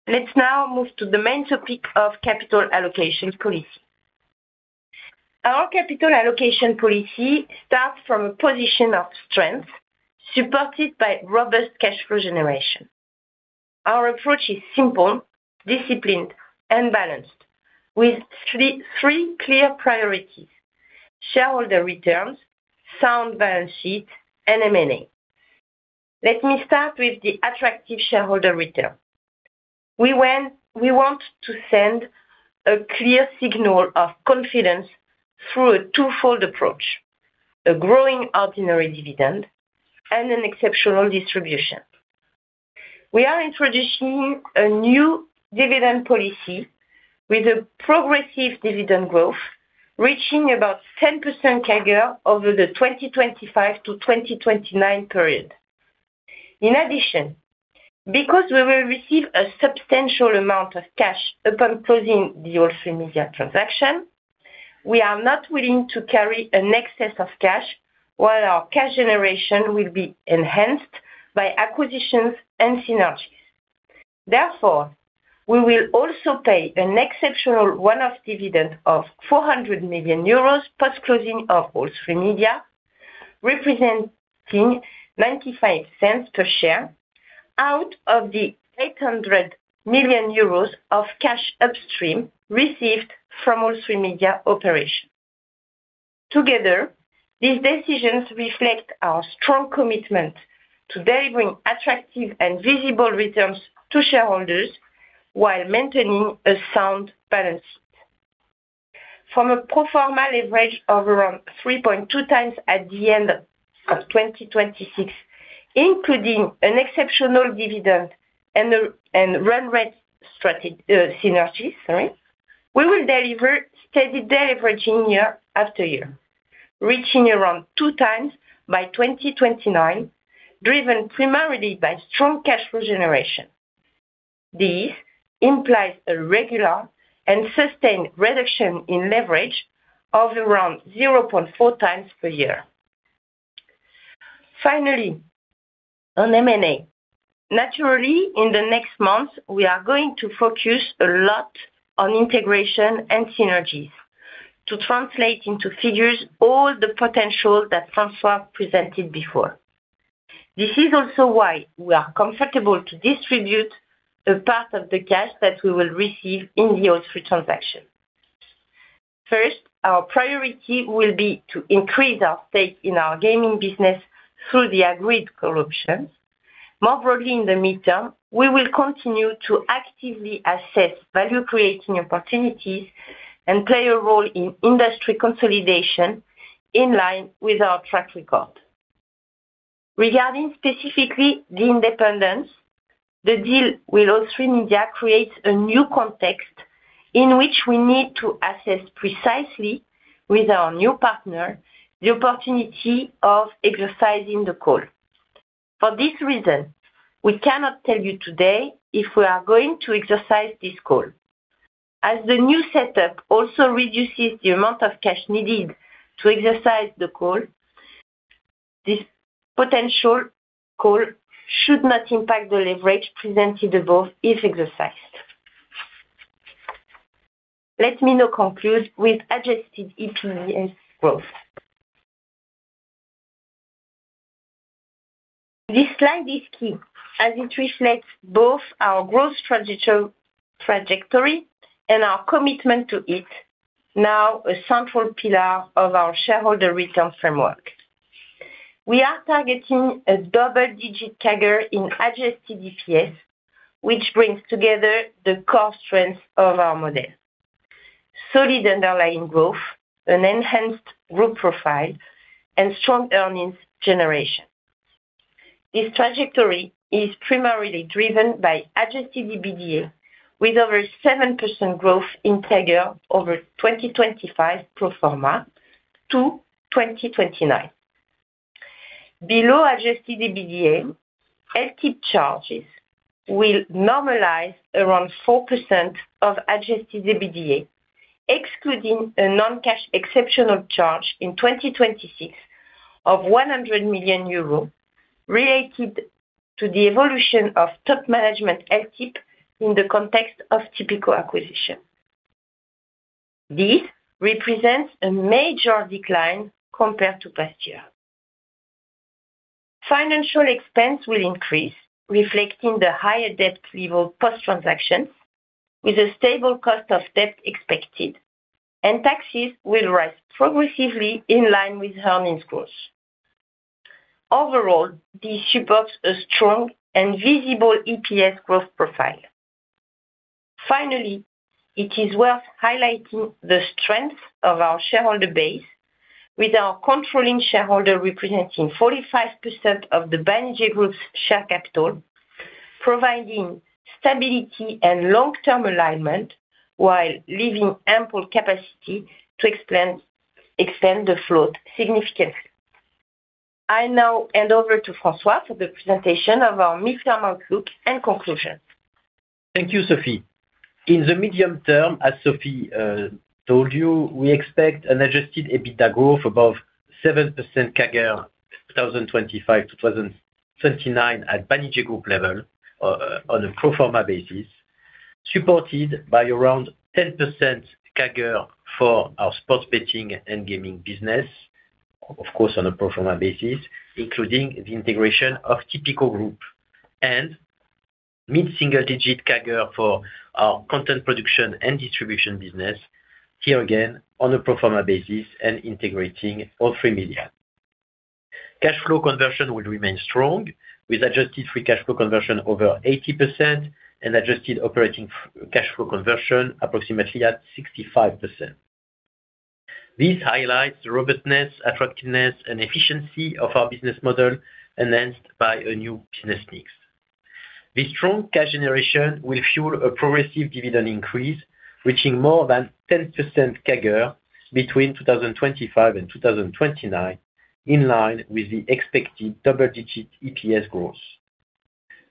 Let's now move to the main topic of capital allocation policy. Our capital allocation policy starts from a position of strength supported by robust cash flow generation. Our approach is simple, disciplined, and balanced with three clear priorities, shareholder returns, sound balance sheet, and M&A. Let me start with the attractive shareholder return. We want to send a clear signal of confidence through a twofold approach, a growing ordinary dividend and an exceptional distribution. We are introducing a new dividend policy with a progressive dividend growth reaching about 10% CAGR over the 2025 to 2029 period. In addition, because we will receive a substantial amount of cash upon closing the All3Media transaction, we are not willing to carry an excess of cash while our cash generation will be enhanced by acquisitions and synergies. Therefore, we will also pay an exceptional one-off dividend of 400 million euros post-closing of All3Media, representing 0.95 per share out of the 800 million euros of cash upstream received from All3Media operations. Together, these decisions reflect our strong commitment to delivering attractive and visible returns to shareholders while maintaining a sound balance sheet. From a pro forma leverage of around 3.2x at the end of 2026, including an exceptional dividend and run rate synergies, we will deliver steady deleveraging year after year, reaching around 2x by 2029, driven primarily by strong cash flow generation. This implies a regular and sustained reduction in leverage of around 0.4 times per year. Finally, on M&A. Naturally, in the next months, we are going to focus a lot on integration and synergies to translate into figures all the potential that François presented before. This is also why we are comfortable to distribute a part of the cash that we will receive in the All3Media transaction. First, our priority will be to increase our stake in our gaming business through the agreed acquisition. More broadly in the midterm, we will continue to actively assess value-creating opportunities and play a role in industry consolidation in line with our track record. Regarding specifically The Independent, the deal with All3Media creates a new context in which we need to assess precisely with our new partner the opportunity of exercising the call. For this reason, we cannot tell you today if we are going to exercise this call. As the new setup also reduces the amount of cash needed to exercise the call, this potential call should not impact the leverage presented above if exercised. Let me now conclude with adjusted EBITDA growth. This slide is key as it reflects both our growth trajectory and our commitment to it, now a central pillar of our shareholder return framework. We are targeting a double-digit CAGR in adjusted EPS, which brings together the core strengths of our model. Solid underlying growth, an enhanced group profile, and strong earnings generation. This trajectory is primarily driven by adjusted EBITDA with over 7% growth in CAGR over 2025 pro forma to 2029. Below adjusted EBITDA, LTIP charges will normalize around 4% of adjusted EBITDA, excluding a non-cash exceptional charge in 2026 of 100 million euros related to the evolution of top management LTIP in the context of Tipico acquisition. This represents a major decline compared to past year. Financial expense will increase, reflecting the higher debt level post-transaction, with a stable cost of debt expected, and taxes will rise progressively in line with earnings growth. Overall, this supports a strong and visible EPS growth profile. Finally, it is worth highlighting the strength of our shareholder base, with our controlling shareholder representing 45% of the Banijay Group's share capital, providing stability and long-term alignment while leaving ample capacity to expand the float significantly. I now hand over to François for the presentation of our mid-term outlook and conclusions.
Thank you, Sophie. In the medium term, as Sophie told you, we expect an adjusted EBITDA growth above 7% CAGR, 2025 to 2029 at Banijay Group level on a pro forma basis, supported by around 10% CAGR for our sports betting and gaming business, of course, on a pro forma basis, including the integration of Tipico Group. Mid-single digit CAGR for our content production and distribution business, here again, on a pro forma basis and integrating All3Media. Cash flow conversion will remain strong, with adjusted free cash flow conversion over 80% and adjusted operating cash flow conversion approximately at 65%. This highlights the robustness, attractiveness, and efficiency of our business model, enhanced by a new business mix. This strong cash generation will fuel a progressive dividend increase, reaching more than 10% CAGR between 2025 and 2029, in line with the expected double-digit EPS growth.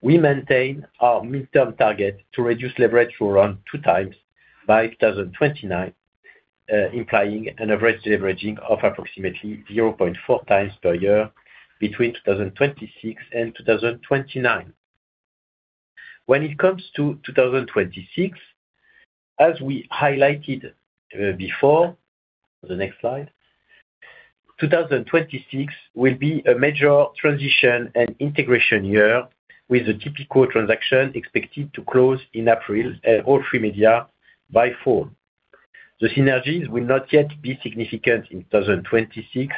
We maintain our midterm target to reduce leverage to around 2x by 2029, implying an average leveraging of approximately 0.4x per year between 2026 and 2029. When it comes to 2026, as we highlighted before, the next slide, 2026 will be a major transition and integration year, with the Tipico transaction expected to close in April and All3Media by fall. The synergies will not yet be significant in 2026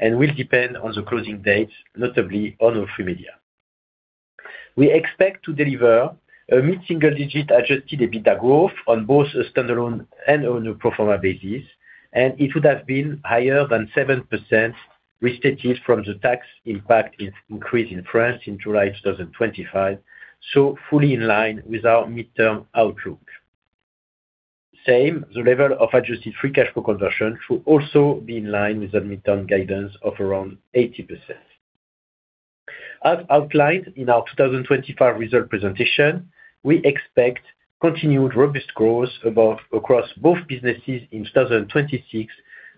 and will depend on the closing dates, notably All3Media. We expect to deliver a mid-single digit adjusted EBITDA growth on both a standalone and on a pro forma basis, and it would have been higher than 7%, restricted from the tax impact increase in France in July 2025. Fully in line with our midterm outlook. Same, the level of adjusted free cash flow conversion should also be in line with the midterm guidance of around 80%. As outlined in our 2025 result presentation, we expect continued robust growth across both businesses in 2026,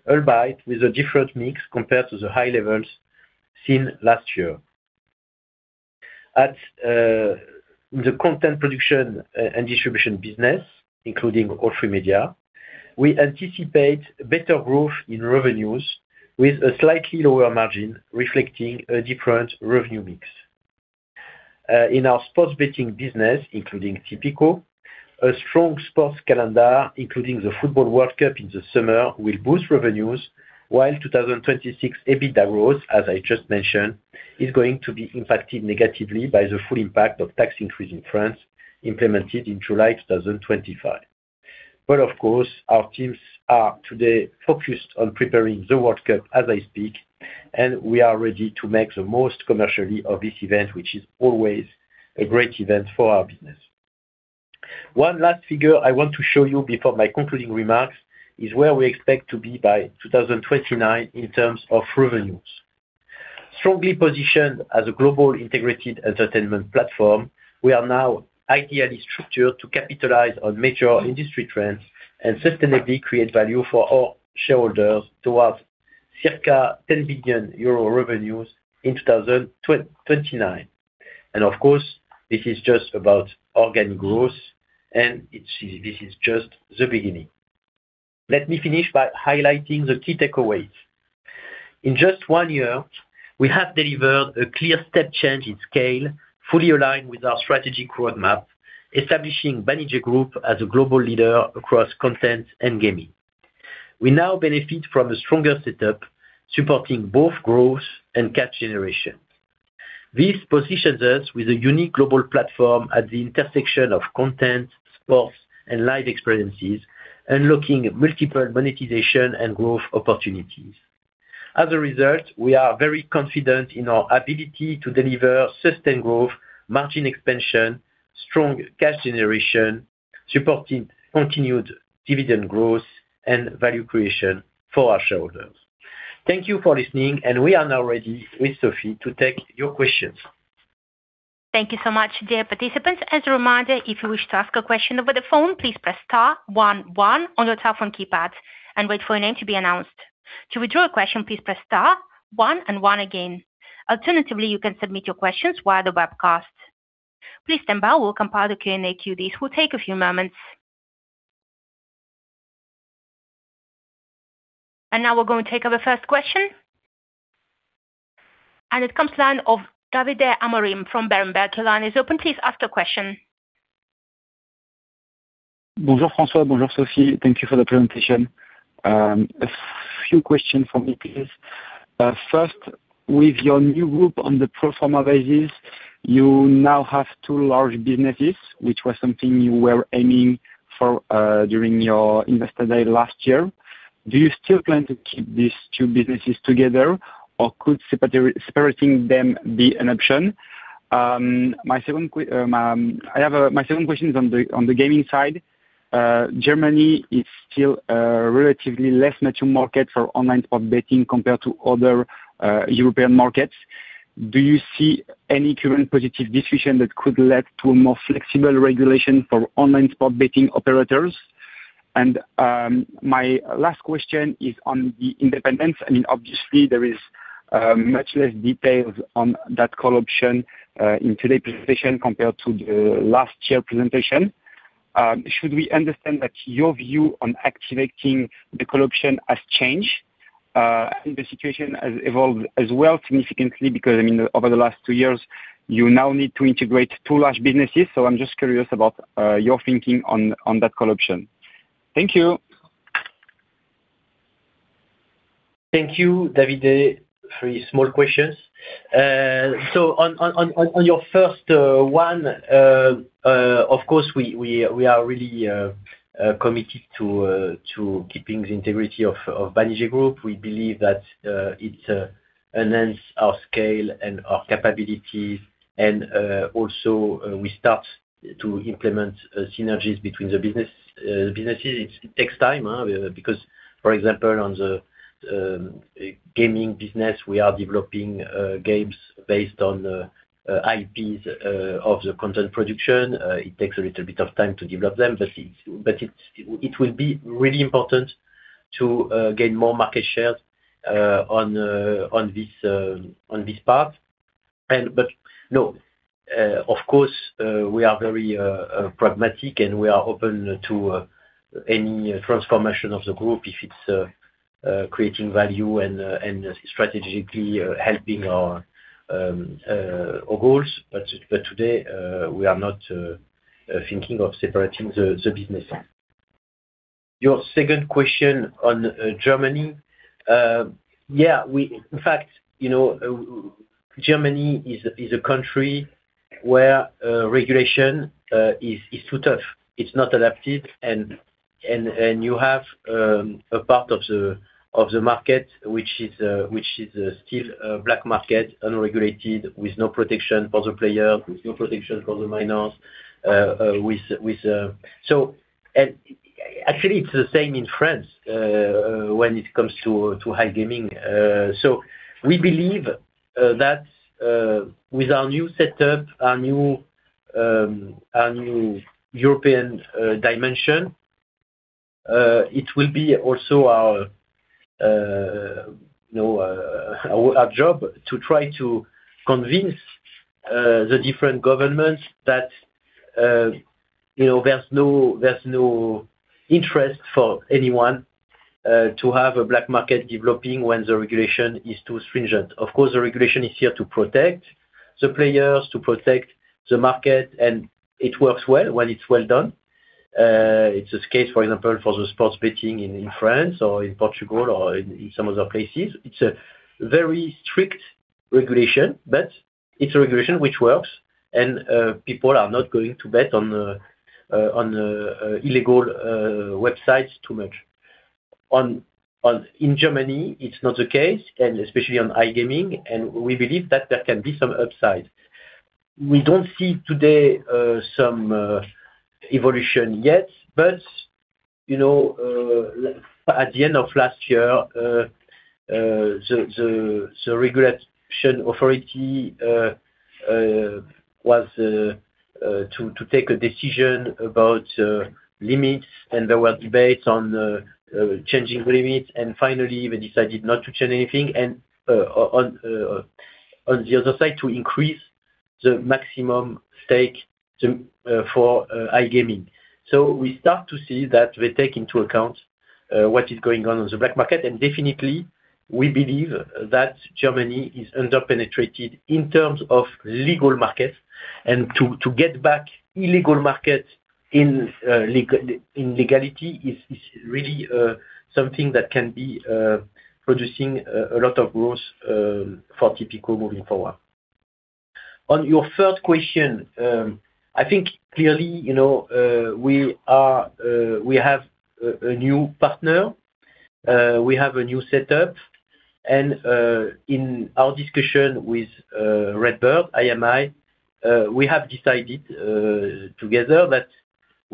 albeit with a different mix compared to the high levels seen last year. At the content production and distribution business, including All3Media, we anticipate better growth in revenues with a slightly lower margin reflecting a different revenue mix. In our sports betting business, including Tipico, a strong sports calendar, including the Football World Cup in the summer, will boost revenues, while 2026 EBITDA growth, as I just mentioned, is going to be impacted negatively by the full impact of tax increase in France implemented in July 2025. Of course, our teams are today focused on preparing the World Cup as I speak, and we are ready to make the most commercially of this event, which is always a great event for our business. One last figure I want to show you before my concluding remarks is where we expect to be by 2029 in terms of revenues. Strongly positioned as a global integrated entertainment platform, we are now ideally structured to capitalize on major industry trends and sustainably create value for all shareholders towards circa 10 billion euro revenues in 2029. Of course, this is just about organic growth, and it's, this is just the beginning. Let me finish by highlighting the key takeaways. In just one year, we have delivered a clear step change in scale, fully aligned with our strategic roadmap, establishing Banijay Group as a global leader across content and gaming. We now benefit from a stronger setup, supporting both growth and cash generation. This positions us with a unique global platform at the intersection of content, sports, and live experiences, unlocking multiple monetization and growth opportunities. As a result, we are very confident in our ability to deliver sustained growth, margin expansion, strong cash generation, supporting continued dividend growth and value creation for our shareholders. Thank you for listening, and we are now ready with Sophie to take your questions.
Thank you so much. Dear participants, as a reminder, if you wish to ask a question over the phone, please press star one-one on your telephone keypad and wait for your name to be announced. To withdraw a question, please press star one and one again. Alternatively, you can submit your questions via the webcast. Please stand by, we'll compile the Q&A queue. This will take a few moments. Now we're going to take our first question. It comes from the line of Davide Amorim from Berenberg. The line is open, please ask your question.
Bonjour, François. Bonjour, Sophie. Thank you for the presentation. A few questions from me, please. First, with your new group on the pro forma basis, you now have two large businesses, which was something you were aiming for, during your investor day last year. Do you still plan to keep these two businesses together, or could separating them be an option? My second question is on the gaming side. Germany is still a relatively less mature market for online sport betting compared to other, European markets. Do you see any current positive discussion that could lead to a more flexible regulation for online sport betting operators? And, my last question is on the independence. I mean, obviously, there is much less details on that call option in today's presentation compared to the last year presentation. Should we understand that your view on activating the call option has changed, and the situation has evolved as well significantly? Because, I mean, over the last two years, you now need to integrate two large businesses. I'm just curious about your thinking on that call option. Thank you.
Thank you, Davide, for your small questions. On your first one, of course, we are really committed to keeping the integrity of Banijay Group. We believe that it enhance our scale and our capabilities. Also, we start to implement synergies between the businesses. It takes time, because, for example, on the gaming business, we are developing games based on IPs of the content production. It takes a little bit of time to develop them, but it will be really important to gain more market shares on this part. No, of course, we are very pragmatic, and we are open to any transformation of the group if it's creating value and strategically helping our goals. Today, we are not thinking of separating the business. Your second question on Germany. In fact, you know, Germany is a country where regulation is too tough. It's not adaptive. You have a part of the market which is still a black market, unregulated, with no protection for the player, with no protection for the minors. Actually, it's the same in France when it comes to iGaming. We believe that with our new setup, our new European dimension, it will be also our, you know, our job to try to convince the different governments that, you know, there's no interest for anyone to have a black market developing when the regulation is too stringent. Of course, the regulation is here to protect the players, to protect the market, and it works well when it's well done. It's a case, for example, for the sports betting in France or in Portugal or in some other places. It's a very strict regulation, but it's a regulation which works, and people are not going to bet on illegal websites too much. In Germany, it's not the case, and especially on iGaming, and we believe that there can be some upside. We don't see today some evolution yet, but you know, at the end of last year, the regulatory authority was to take a decision about limits, and there were debates on changing limits, and finally, they decided not to change anything, and on the other side, to increase the maximum stake for iGaming. We start to see that they take into account what is going on on the black market. Definitely we believe that Germany is under-penetrated in terms of legal markets. To get back illegal markets into legality is really something that can be producing a lot of growth for Tipico moving forward. On your first question, I think clearly, you know, we have a new partner. We have a new setup, and in our discussion with RedBird IMI,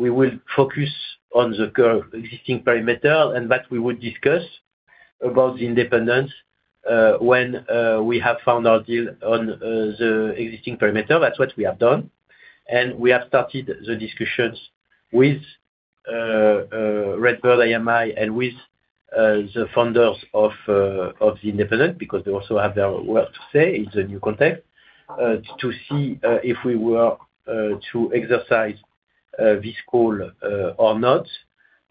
we have decided together that we will focus on the current existing perimeter and that we would discuss about The Independent when we have found our deal on the existing perimeter. That's what we have done. We have started the discussions with RedBird IMI and with the founders of The Independent, because they also have their word to say in the new context, to see if we were to exercise this call or not.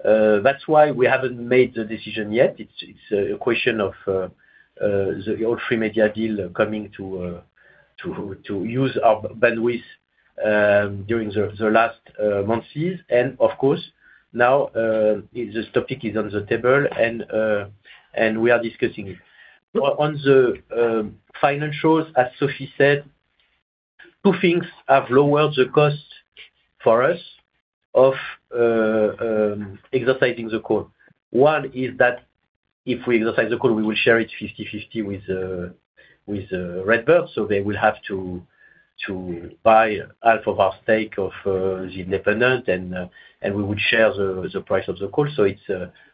That's why we haven't made the decision yet. It's a question of the All3Media deal coming to use our bandwidth during the last months. Of course, now this topic is on the table and we are discussing it. On the financials, as Sophie said, two things have lowered the cost for us of exercising the call. One is that if we exercise the call, we will share it 50/50 with RedBird, so they will have to buy half of our stake of The Independent and we would share the price of the call. It's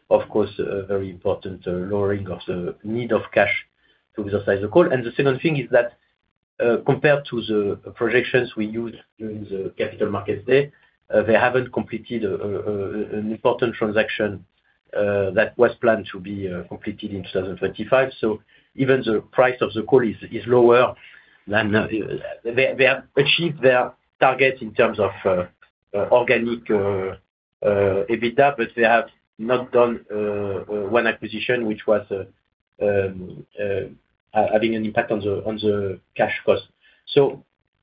of course a very important lowering of the need of cash to exercise the call. The second thing is that compared to the projections we used during the Capital Markets Day, they haven't completed an important transaction that was planned to be completed in 2025. Even the price of the call is lower than they have achieved their targets in terms of organic EBITDA, but they have not done one acquisition, which was having an impact on the cash costs.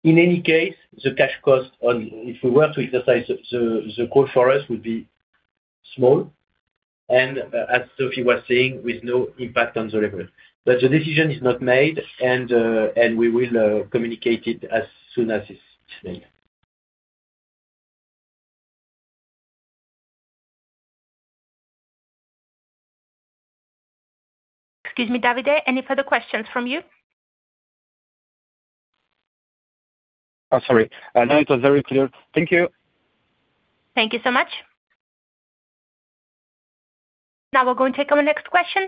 In any case, the cash cost if we were to exercise the call option for us would be small, and as Sophie was saying, with no impact on the revenue. The decision is not made and we will communicate it as soon as it's made.
Excuse me, Davide. Any further questions from you?
Oh, sorry. No, it was very clear. Thank you.
Thank you so much. Now we're going to take our next question.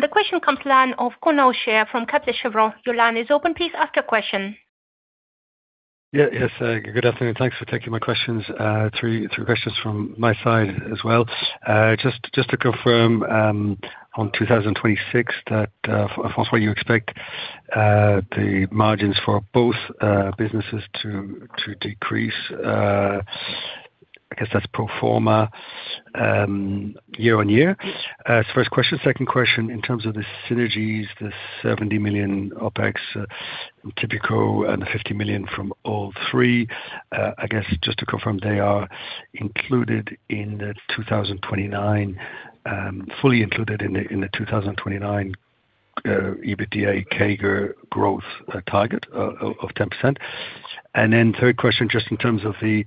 The question comes from the line of Conor O'Shea from Kepler Cheuvreux. Your line is open. Please ask your question.
Good afternoon. Thanks for taking my questions. Three questions from my side as well. Just to confirm, on 2026 that, François, you expect the margins for both businesses to decrease. I guess that's pro forma year-over-year. First question. Second question, in terms of the synergies, the 70 million OpEx in Tipico and the 50 million from All3Media, I guess just to confirm they are included in the 2029, fully included in the 2029 EBITDA CAGR growth target of 10%. Third question, just in terms of the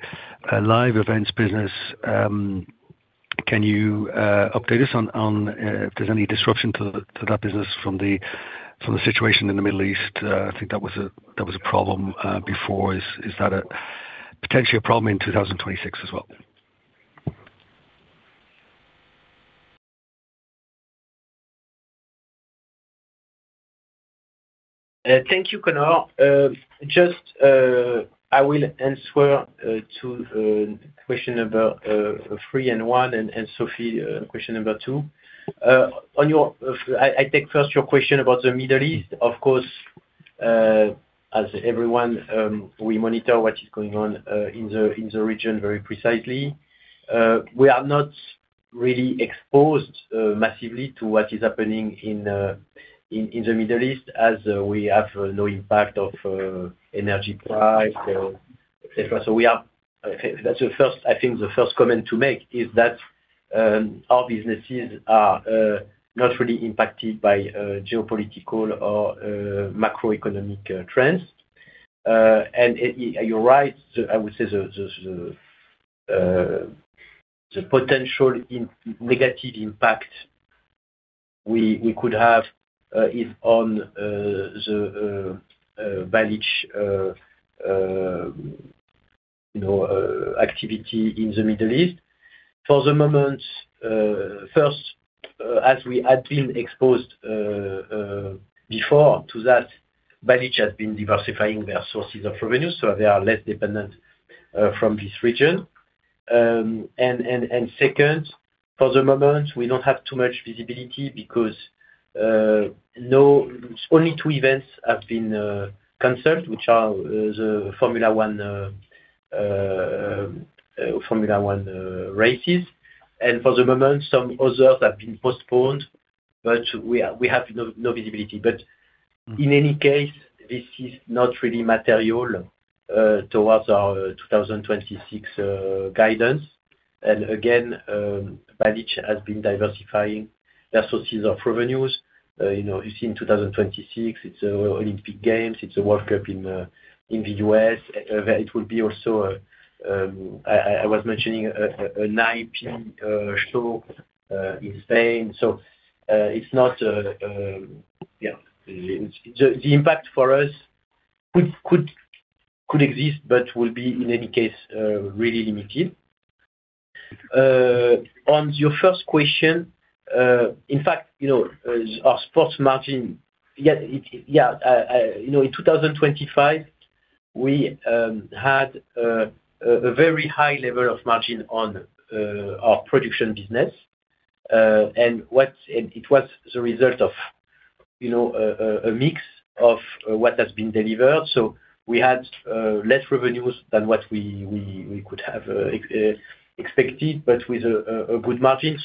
live events business, can you update us on if there's any disruption to that business from the situation in the Middle East? I think that was a problem before. Is that potentially a problem in 2026 as well?
Thank you, Conor. Just, I will answer to question number three and one, and Sophie, question number two. I take first your question about the Middle East. Of course, as everyone, we monitor what is going on in the region very precisely. We are not really exposed massively to what is happening in the Middle East as we have no impact of energy price, et cetera. That's the first, I think the first comment to make is that, our businesses are not really impacted by geopolitical or macroeconomic trends. You're right. I would say the potential negative impact we could have is on the Balich, you know, activity in the Middle East. For the moment, first, as we had been exposed before to that, Balich has been diversifying their sources of revenue, so they are less dependent from this region. Second, for the moment, we don't have too much visibility because only two events have been canceled, which are the Formula One races. For the moment, some others have been postponed, but we have no visibility. In any case, this is not really material towards our 2026 guidance. Banijay has been diversifying their sources of revenues. You know, you see in 2026, it's Olympic Games, it's a World Cup in the U.S. It will be also, I was mentioning an IP show in Spain. It's not. Yeah. The impact for us could exist but will be, in any case, really limited. On your first question, in fact, you know, as our sports margin was, yeah, you know, in 2025, we had a very high level of margin on our production business. And it was the result of, you know, a mix of what has been delivered. So we had less revenues than what we could have expected, but with a good margin.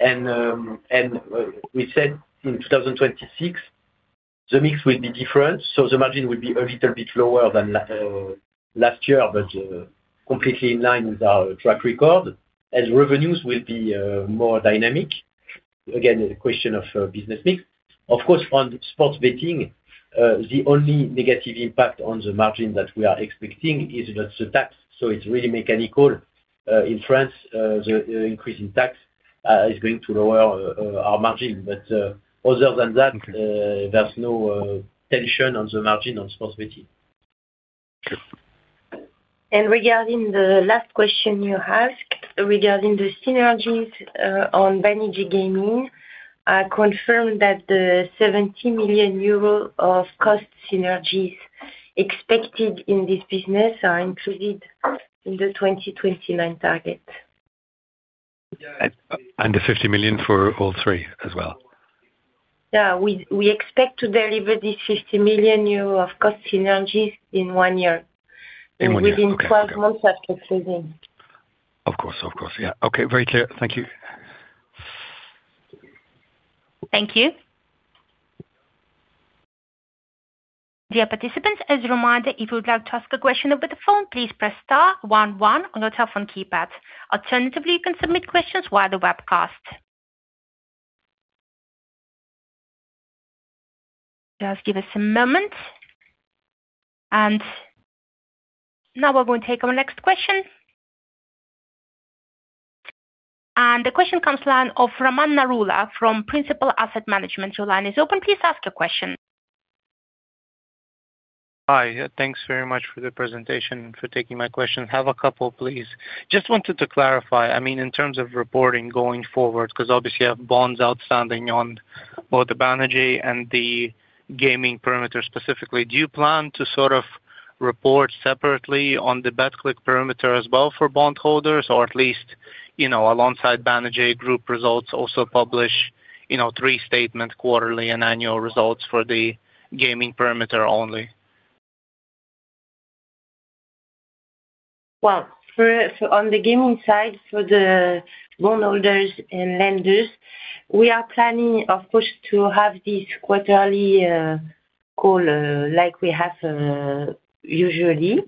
We said in 2026, the mix will be different. The margin will be a little bit lower than last year, but completely in line with our track record as revenues will be more dynamic. Again, a question of business mix. Of course, on sports betting, the only negative impact on the margin that we are expecting is the tax. So it's really mechanical. In France, the increase in tax is going to lower our margin. But other than that.
Okay.
There's no tension on the margin on sports betting.
Okay.
Regarding the last question you asked regarding the synergies on Banijay Gaming, I confirm that the 70 million euro of cost synergies expected in this business are included in the 2029 target.
The 50 million for all three as well?
Yeah. We expect to deliver this 50 million euro of cost synergies in one year.
In one year. Okay.
Within 12 months after closing.
Of course. Yeah. Okay. Very clear. Thank you.
Thank you.
Dear participants, as a reminder, if you would like to ask a question over the phone, please press star one-one on your telephone keypad. Alternatively, you can submit questions via the webcast. Just give us a moment. Now we will take our next question. The question comes from the line of Raman Narula from Principal Asset Management. Your line is open. Please ask a question.
Hi. Thanks very much for the presentation and for taking my question. Have a couple, please. Just wanted to clarify, I mean, in terms of reporting going forward, because obviously you have bonds outstanding on both the Banijay and the gaming perimeter specifically. Do you plan to sort of report separately on the Betclic perimeter as well for bondholders? Or at least, you know, alongside Banijay Group results also publish, you know, three statement quarterly and annual results for the gaming perimeter only?
Well, for on the gaming side, for the bondholders and lenders, we are planning, of course, to have this quarterly call like we have usually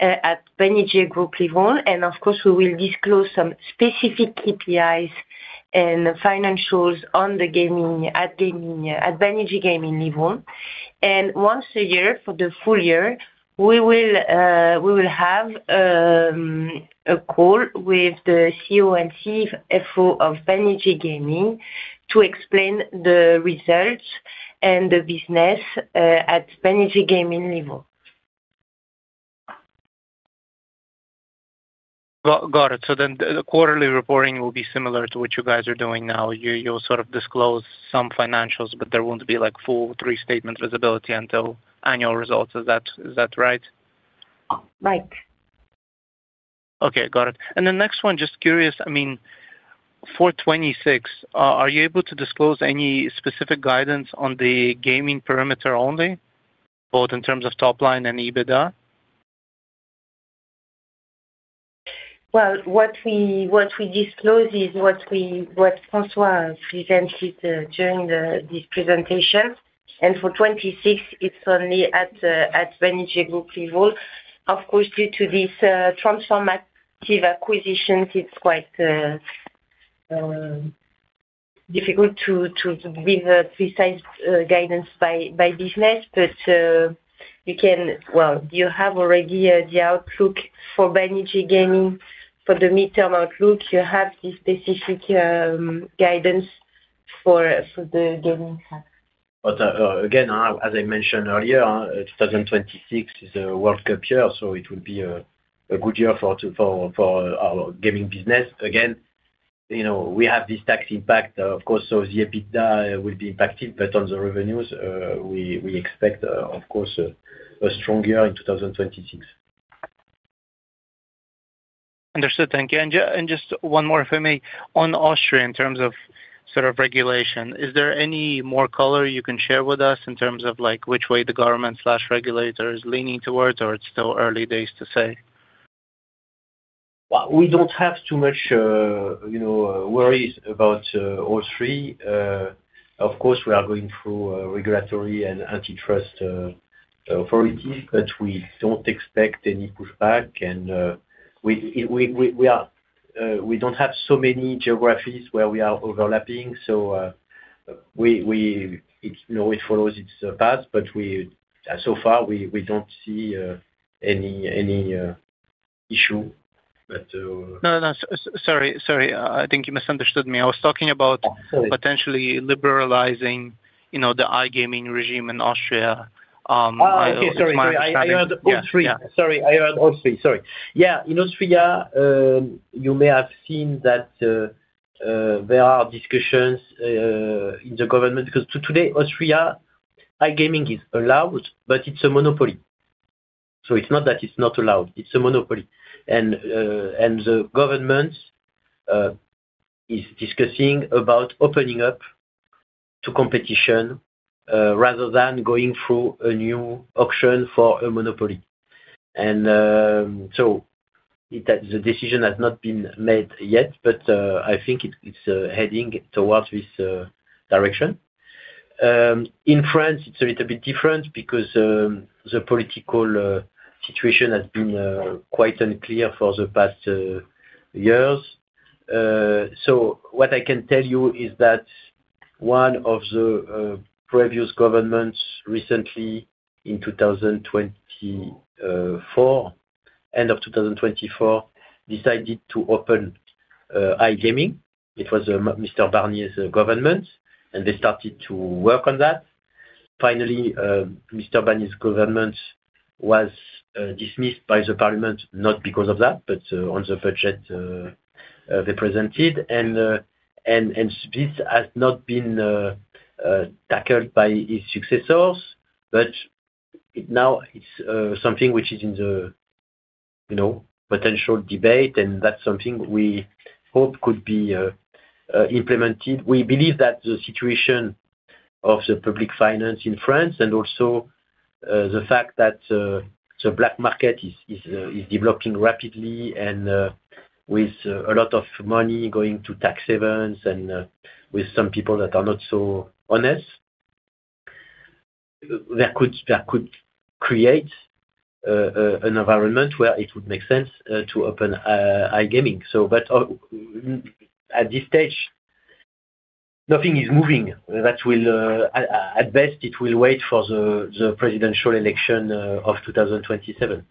at Banijay Group level. Of course, we will disclose some specific KPIs and financials on the gaming at gaming at Banijay Gaming level. Once a year for the full year, we will have a call with the CEO and CFO of Banijay Gaming to explain the results and the business at Banijay Gaming level.
Got it. The quarterly reporting will be similar to what you guys are doing now. You'll sort of disclose some financials, but there won't be like full three statement visibility until annual results. Is that right?
Right.
Okay. Got it. The next one, just curious, I mean, for 2026, are you able to disclose any specific guidance on the gaming perimeter only, both in terms of top line and EBITDA?
What we disclose is what François presented during this presentation. For 2026 it's only at Banijay Group level. Of course, due to this transformative acquisitions, it's quite difficult to give a precise guidance by business. You can. You have already the outlook for Banijay Gaming. For the midterm outlook, you have the specific guidance for the gaming side.
Again, as I mentioned earlier, 2026 is a World Cup year, so it will be a good year for our gaming business, again. You know, we have this tax impact, of course, so the EBITDA will be impacted. On the revenues, we expect, of course, a strong year in 2026.
Understood. Thank you. Just one more, if I may. On Austria, in terms of sort of regulation, is there any more color you can share with us in terms of like which way the government or regulator is leaning towards, or it's still early days to say?
Well, we don't have too much worries about Austria. Of course, we are going through regulatory and antitrust authorities, but we don't expect any pushback. We don't have so many geographies where we are overlapping, so it follows its path, but so far, we don't see any issue.
No, no. Sorry. I think you misunderstood me. I was talking about.
Oh, sorry.
Potentially liberalizing, you know, the iGaming regime in Austria.
Oh, okay. Sorry.
It's my understanding. Yeah.
I heard Austria. Sorry. Yeah. In Austria, you may have seen that there are discussions in the government. 'Cause today, Austria, iGaming is allowed, but it's a monopoly. So it's not that it's not allowed, it's a monopoly. The government is discussing about opening up to competition, rather than going through a new auction for a monopoly. The decision has not been made yet, but I think it's heading towards this direction. In France, it's a little bit different because the political situation has been quite unclear for the past years. What I can tell you is that one of the previous governments recently in 2024, end of 2024, decided to open iGaming. It was Michel Barnier's government, and they started to work on that. Finally, Michel Barnier's government was dismissed by the parliament, not because of that, but on the budget they presented. This has not been tackled by his successors, but it now it's something which is in the you know potential debate, and that's something we hope could be implemented. We believe that the situation of the public finance in France and also the fact that the black market is developing rapidly and with a lot of money going to tax havens and with some people that are not so honest. That could create an environment where it would make sense to open iGaming. At this stage, nothing is moving that will. At best, it will wait for the presidential election of 2027.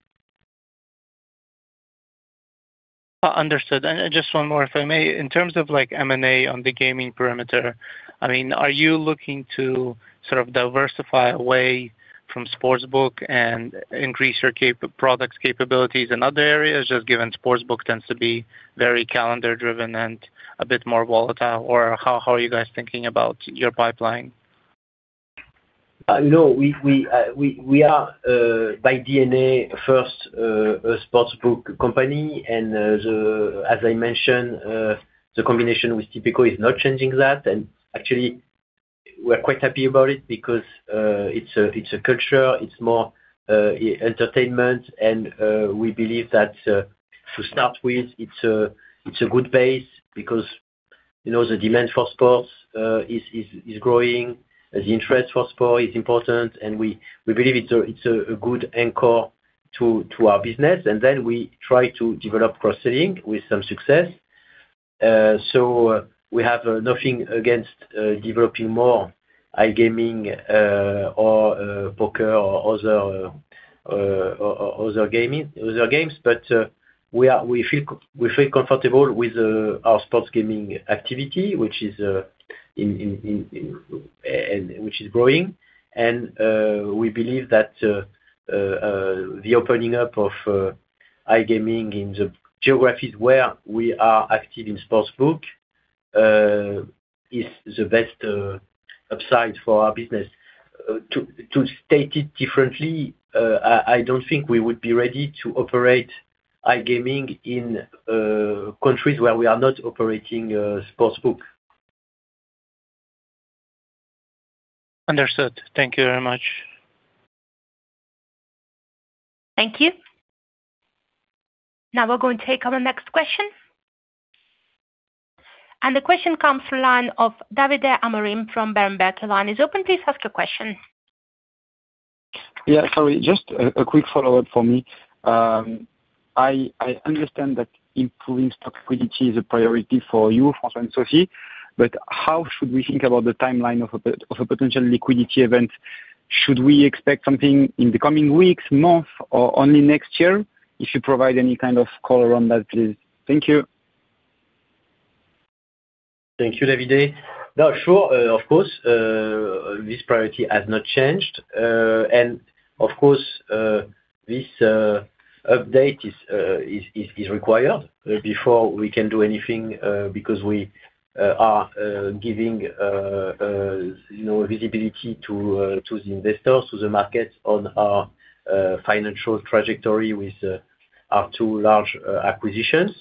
Understood. Just one more, if I may. In terms of like M&A on the gaming perimeter, I mean, are you looking to sort of diversify away from sportsbook and increase your product's capabilities in other areas, just given sportsbook tends to be very calendar-driven and a bit more volatile? Or how are you guys thinking about your pipeline?
No. We are by DNA first a sports book company. As I mentioned, the combination with Tipico is not changing that. Actually we're quite happy about it because it's a culture, it's more entertainment and we believe that to start with it's a good base because, you know, the demand for sports is growing, the interest for sport is important and we believe it's a good anchor to our business. Then we try to develop cross-selling with some success. We have nothing against developing more iGaming or poker or other gaming, other games. We feel comfortable with our sports gaming activity, which is growing. We believe that the opening up of iGaming in the geographies where we are active in sportsbook is the best upside for our business. To state it differently, I don't think we would be ready to operate iGaming in countries where we are not operating sportsbook.
Understood. Thank you very much.
Thank you. Now we're going to take our next question. The question comes from the line of Davide Amorim from Berenberg. Line is open, please ask your question.
Yeah. Sorry, just a quick follow-up from me. I understand that improving stock liquidity is a priority for you, François and Sophie, but how should we think about the timeline of a potential liquidity event? Should we expect something in the coming weeks, month, or only next year? If you provide any kind of color on that, please. Thank you.
Thank you, Davide. No, sure. Of course, this priority has not changed. Of course, this update is required before we can do anything, because we are giving, you know, visibility to the investors, to the market on our financial trajectory with our two large acquisitions.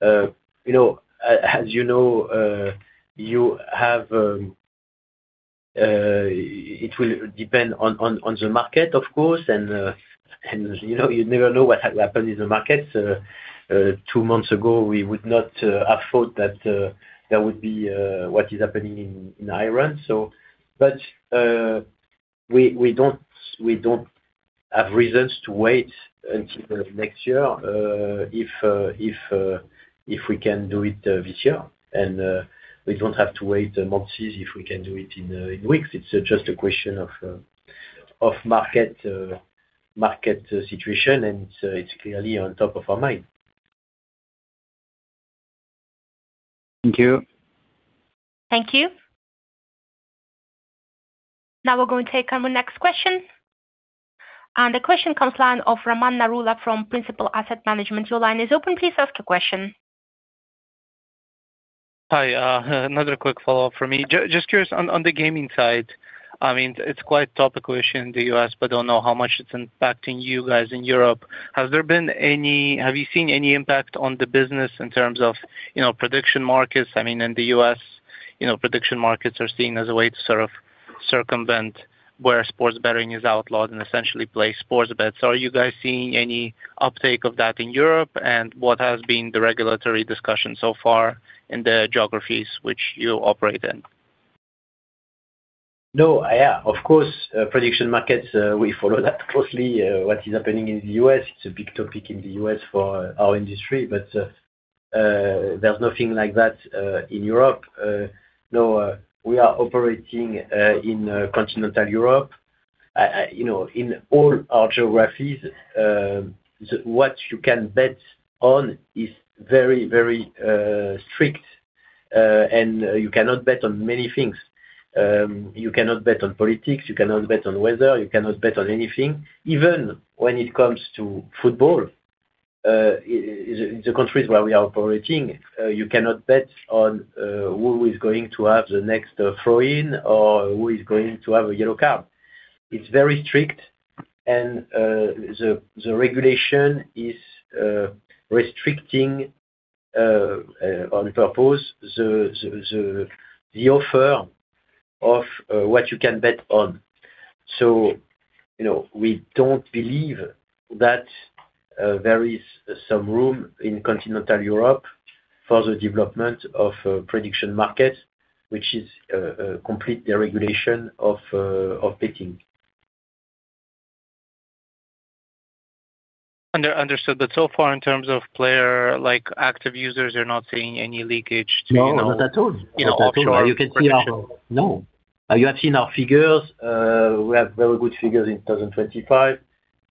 You know, as you know, you have it will depend on the market, of course. You know, you never know what happened in the market. Two months ago, we would not have thought that there would be what is happening in Iran. But we don't have reasons to wait until next year, if we can do it this year. We don't have to wait months if we can do it in weeks. It's just a question of market situation. It's clearly on top of our mind.
Thank you.
Thank you. Now we're going to take our next question. The question comes from the line of Raman Narula from Principal Asset Management. Your line is open. Please ask your question.
Hi. Another quick follow-up from me. Just curious on the gaming side, I mean, it's quite a topical issue in the U.S., but don't know how much it's impacting you guys in Europe. Have you seen any impact on the business in terms of, you know, prediction markets? I mean, in the U.S., you know, prediction markets are seen as a way to sort of circumvent where sports betting is outlawed and essentially place sports bets. Are you guys seeing any uptake of that in Europe? And what has been the regulatory discussion so far in the geographies which you operate in?
No, yeah. Of course, prediction markets, we follow that closely. What is happening in the U.S., it's a big topic in the U.S. for our industry. There's nothing like that, in Europe. No, we are operating, in continental Europe. You know, in all our geographies, what you can bet on is very, very strict. You cannot bet on many things. You cannot bet on politics. You cannot bet on weather. You cannot bet on anything. Even when it comes to football, in the countries where we are operating, you cannot bet on who is going to have the next throw in or who is going to have a yellow card. It's very strict and the regulation is restricting on purpose the offer of what you can bet on. You know, we don't believe that there is some room in continental Europe for the development of prediction market, which is a complete deregulation of betting.
Understood. So far in terms of player, like active users, you're not seeing any leakage to-
No, not at all.
You know.
Not at all. You can see our—no. You have seen our figures. We have very good figures in 2025.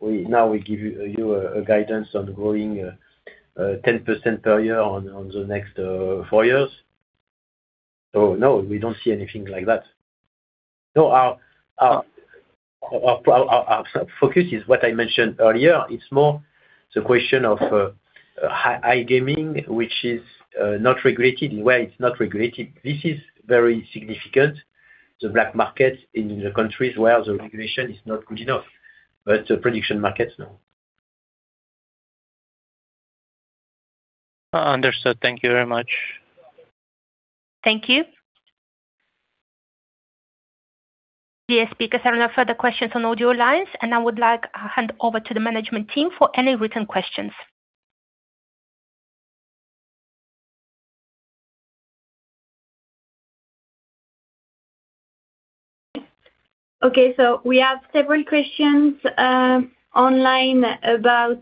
Now we give you a guidance on growing 10% per year on the next 4 years. No, we don't see anything like that. Our focus is what I mentioned earlier. It's more the question of iGaming, which is not regulated. In a way it's not regulated. This is very significant, the black market in the countries where the regulation is not good enough. But prediction markets, no.
Understood. Thank you very much.
Thank you. All speakers, there are no further questions on audio lines, and I would like to hand over to the management team for any written questions.
Okay. We have several questions online about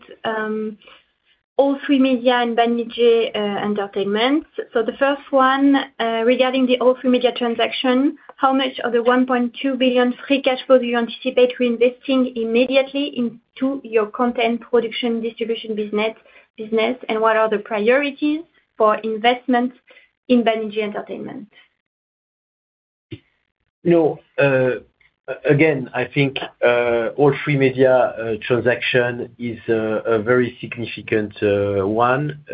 All3Media and Banijay Entertainment. The first one regarding the All3Media transaction, how much of the 1.2 billion free cash flow do you anticipate reinvesting immediately into your content production distribution business, and what are the priorities for investments in Banijay Entertainment?
You know, I think All3Media transaction is a very significant one.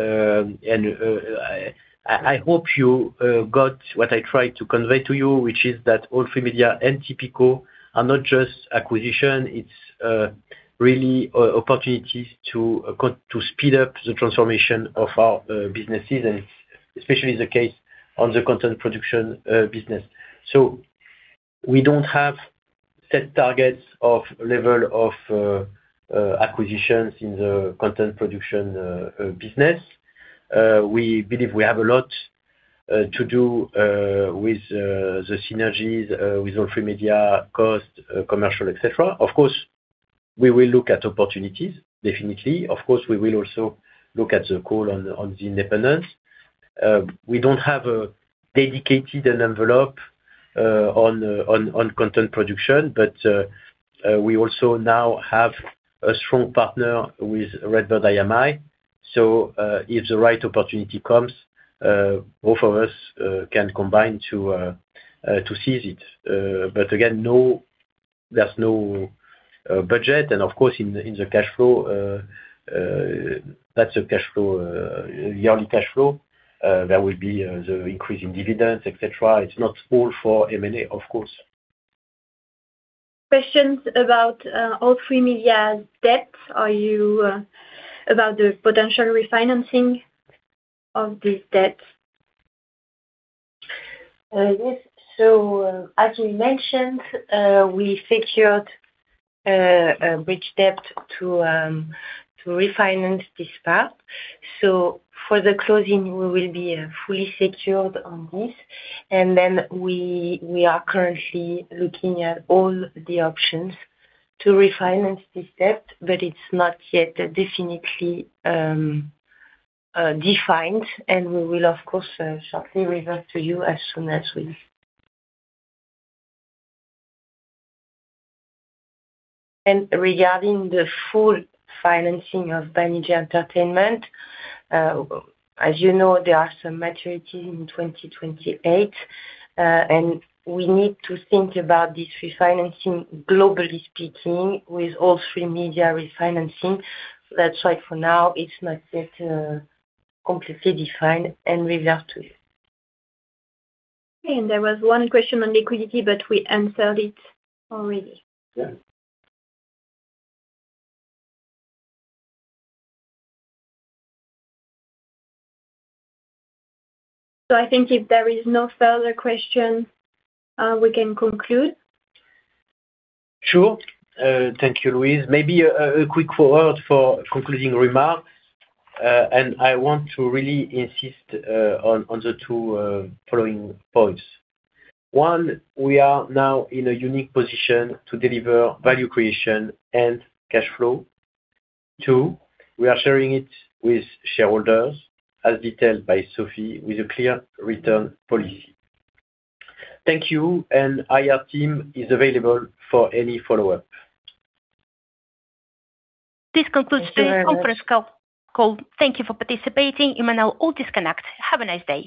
I hope you got what I tried to convey to you, which is that All3Media and Tipico are not just acquisition. It's really opportunities to speed up the transformation of our businesses, and especially the case on the content production business. We don't have set targets of level of acquisitions in the content production business. We believe we have a lot to do with the synergies with All3Media cost, commercial, et cetera. Of course, we will look at opportunities, definitely. Of course, we will also look at the call on the independence. We don't have a dedicated envelope on content production. We also now have a strong partner with RedBird IMI. If the right opportunity comes, both of us can combine to seize it. But again, there's no budget. Of course in the cash flow, that's a cash flow, yearly cash flow, there will be the increase in dividends, et cetera. It's not all for M&A, of course.
Questions about All3Media debt. Are you asking about the potential refinancing of this debt?
Yes. As we mentioned, we secured a bridge debt to refinance this part. For the closing, we will be fully secured on this. We are currently looking at all the options to refinance this debt, but it's not yet definitely defined. We will of course shortly revert to you as soon as we. Regarding the full financing of Banijay Entertainment, as you know, there are some maturities in 2028, and we need to think about this refinancing globally speaking with All3Media refinancing. That's why for now it's not yet completely defined and revert to you.
Okay. There was one question on liquidity, but we answered it already.
Yeah.
I think if there is no further question, we can conclude.
Sure. Thank you, Louise. Maybe a quick word for concluding remarks, and I want to really insist on the two following points. One, we are now in a unique position to deliver value creation and cash flow. Two, we are sharing it with shareholders, as detailed by Sophie, with a clear return policy. Thank you, and IR team is available for any follow-up.
This concludes.
Thank you very much.
Today's conference call. Thank you for participating. You may now all disconnect. Have a nice day.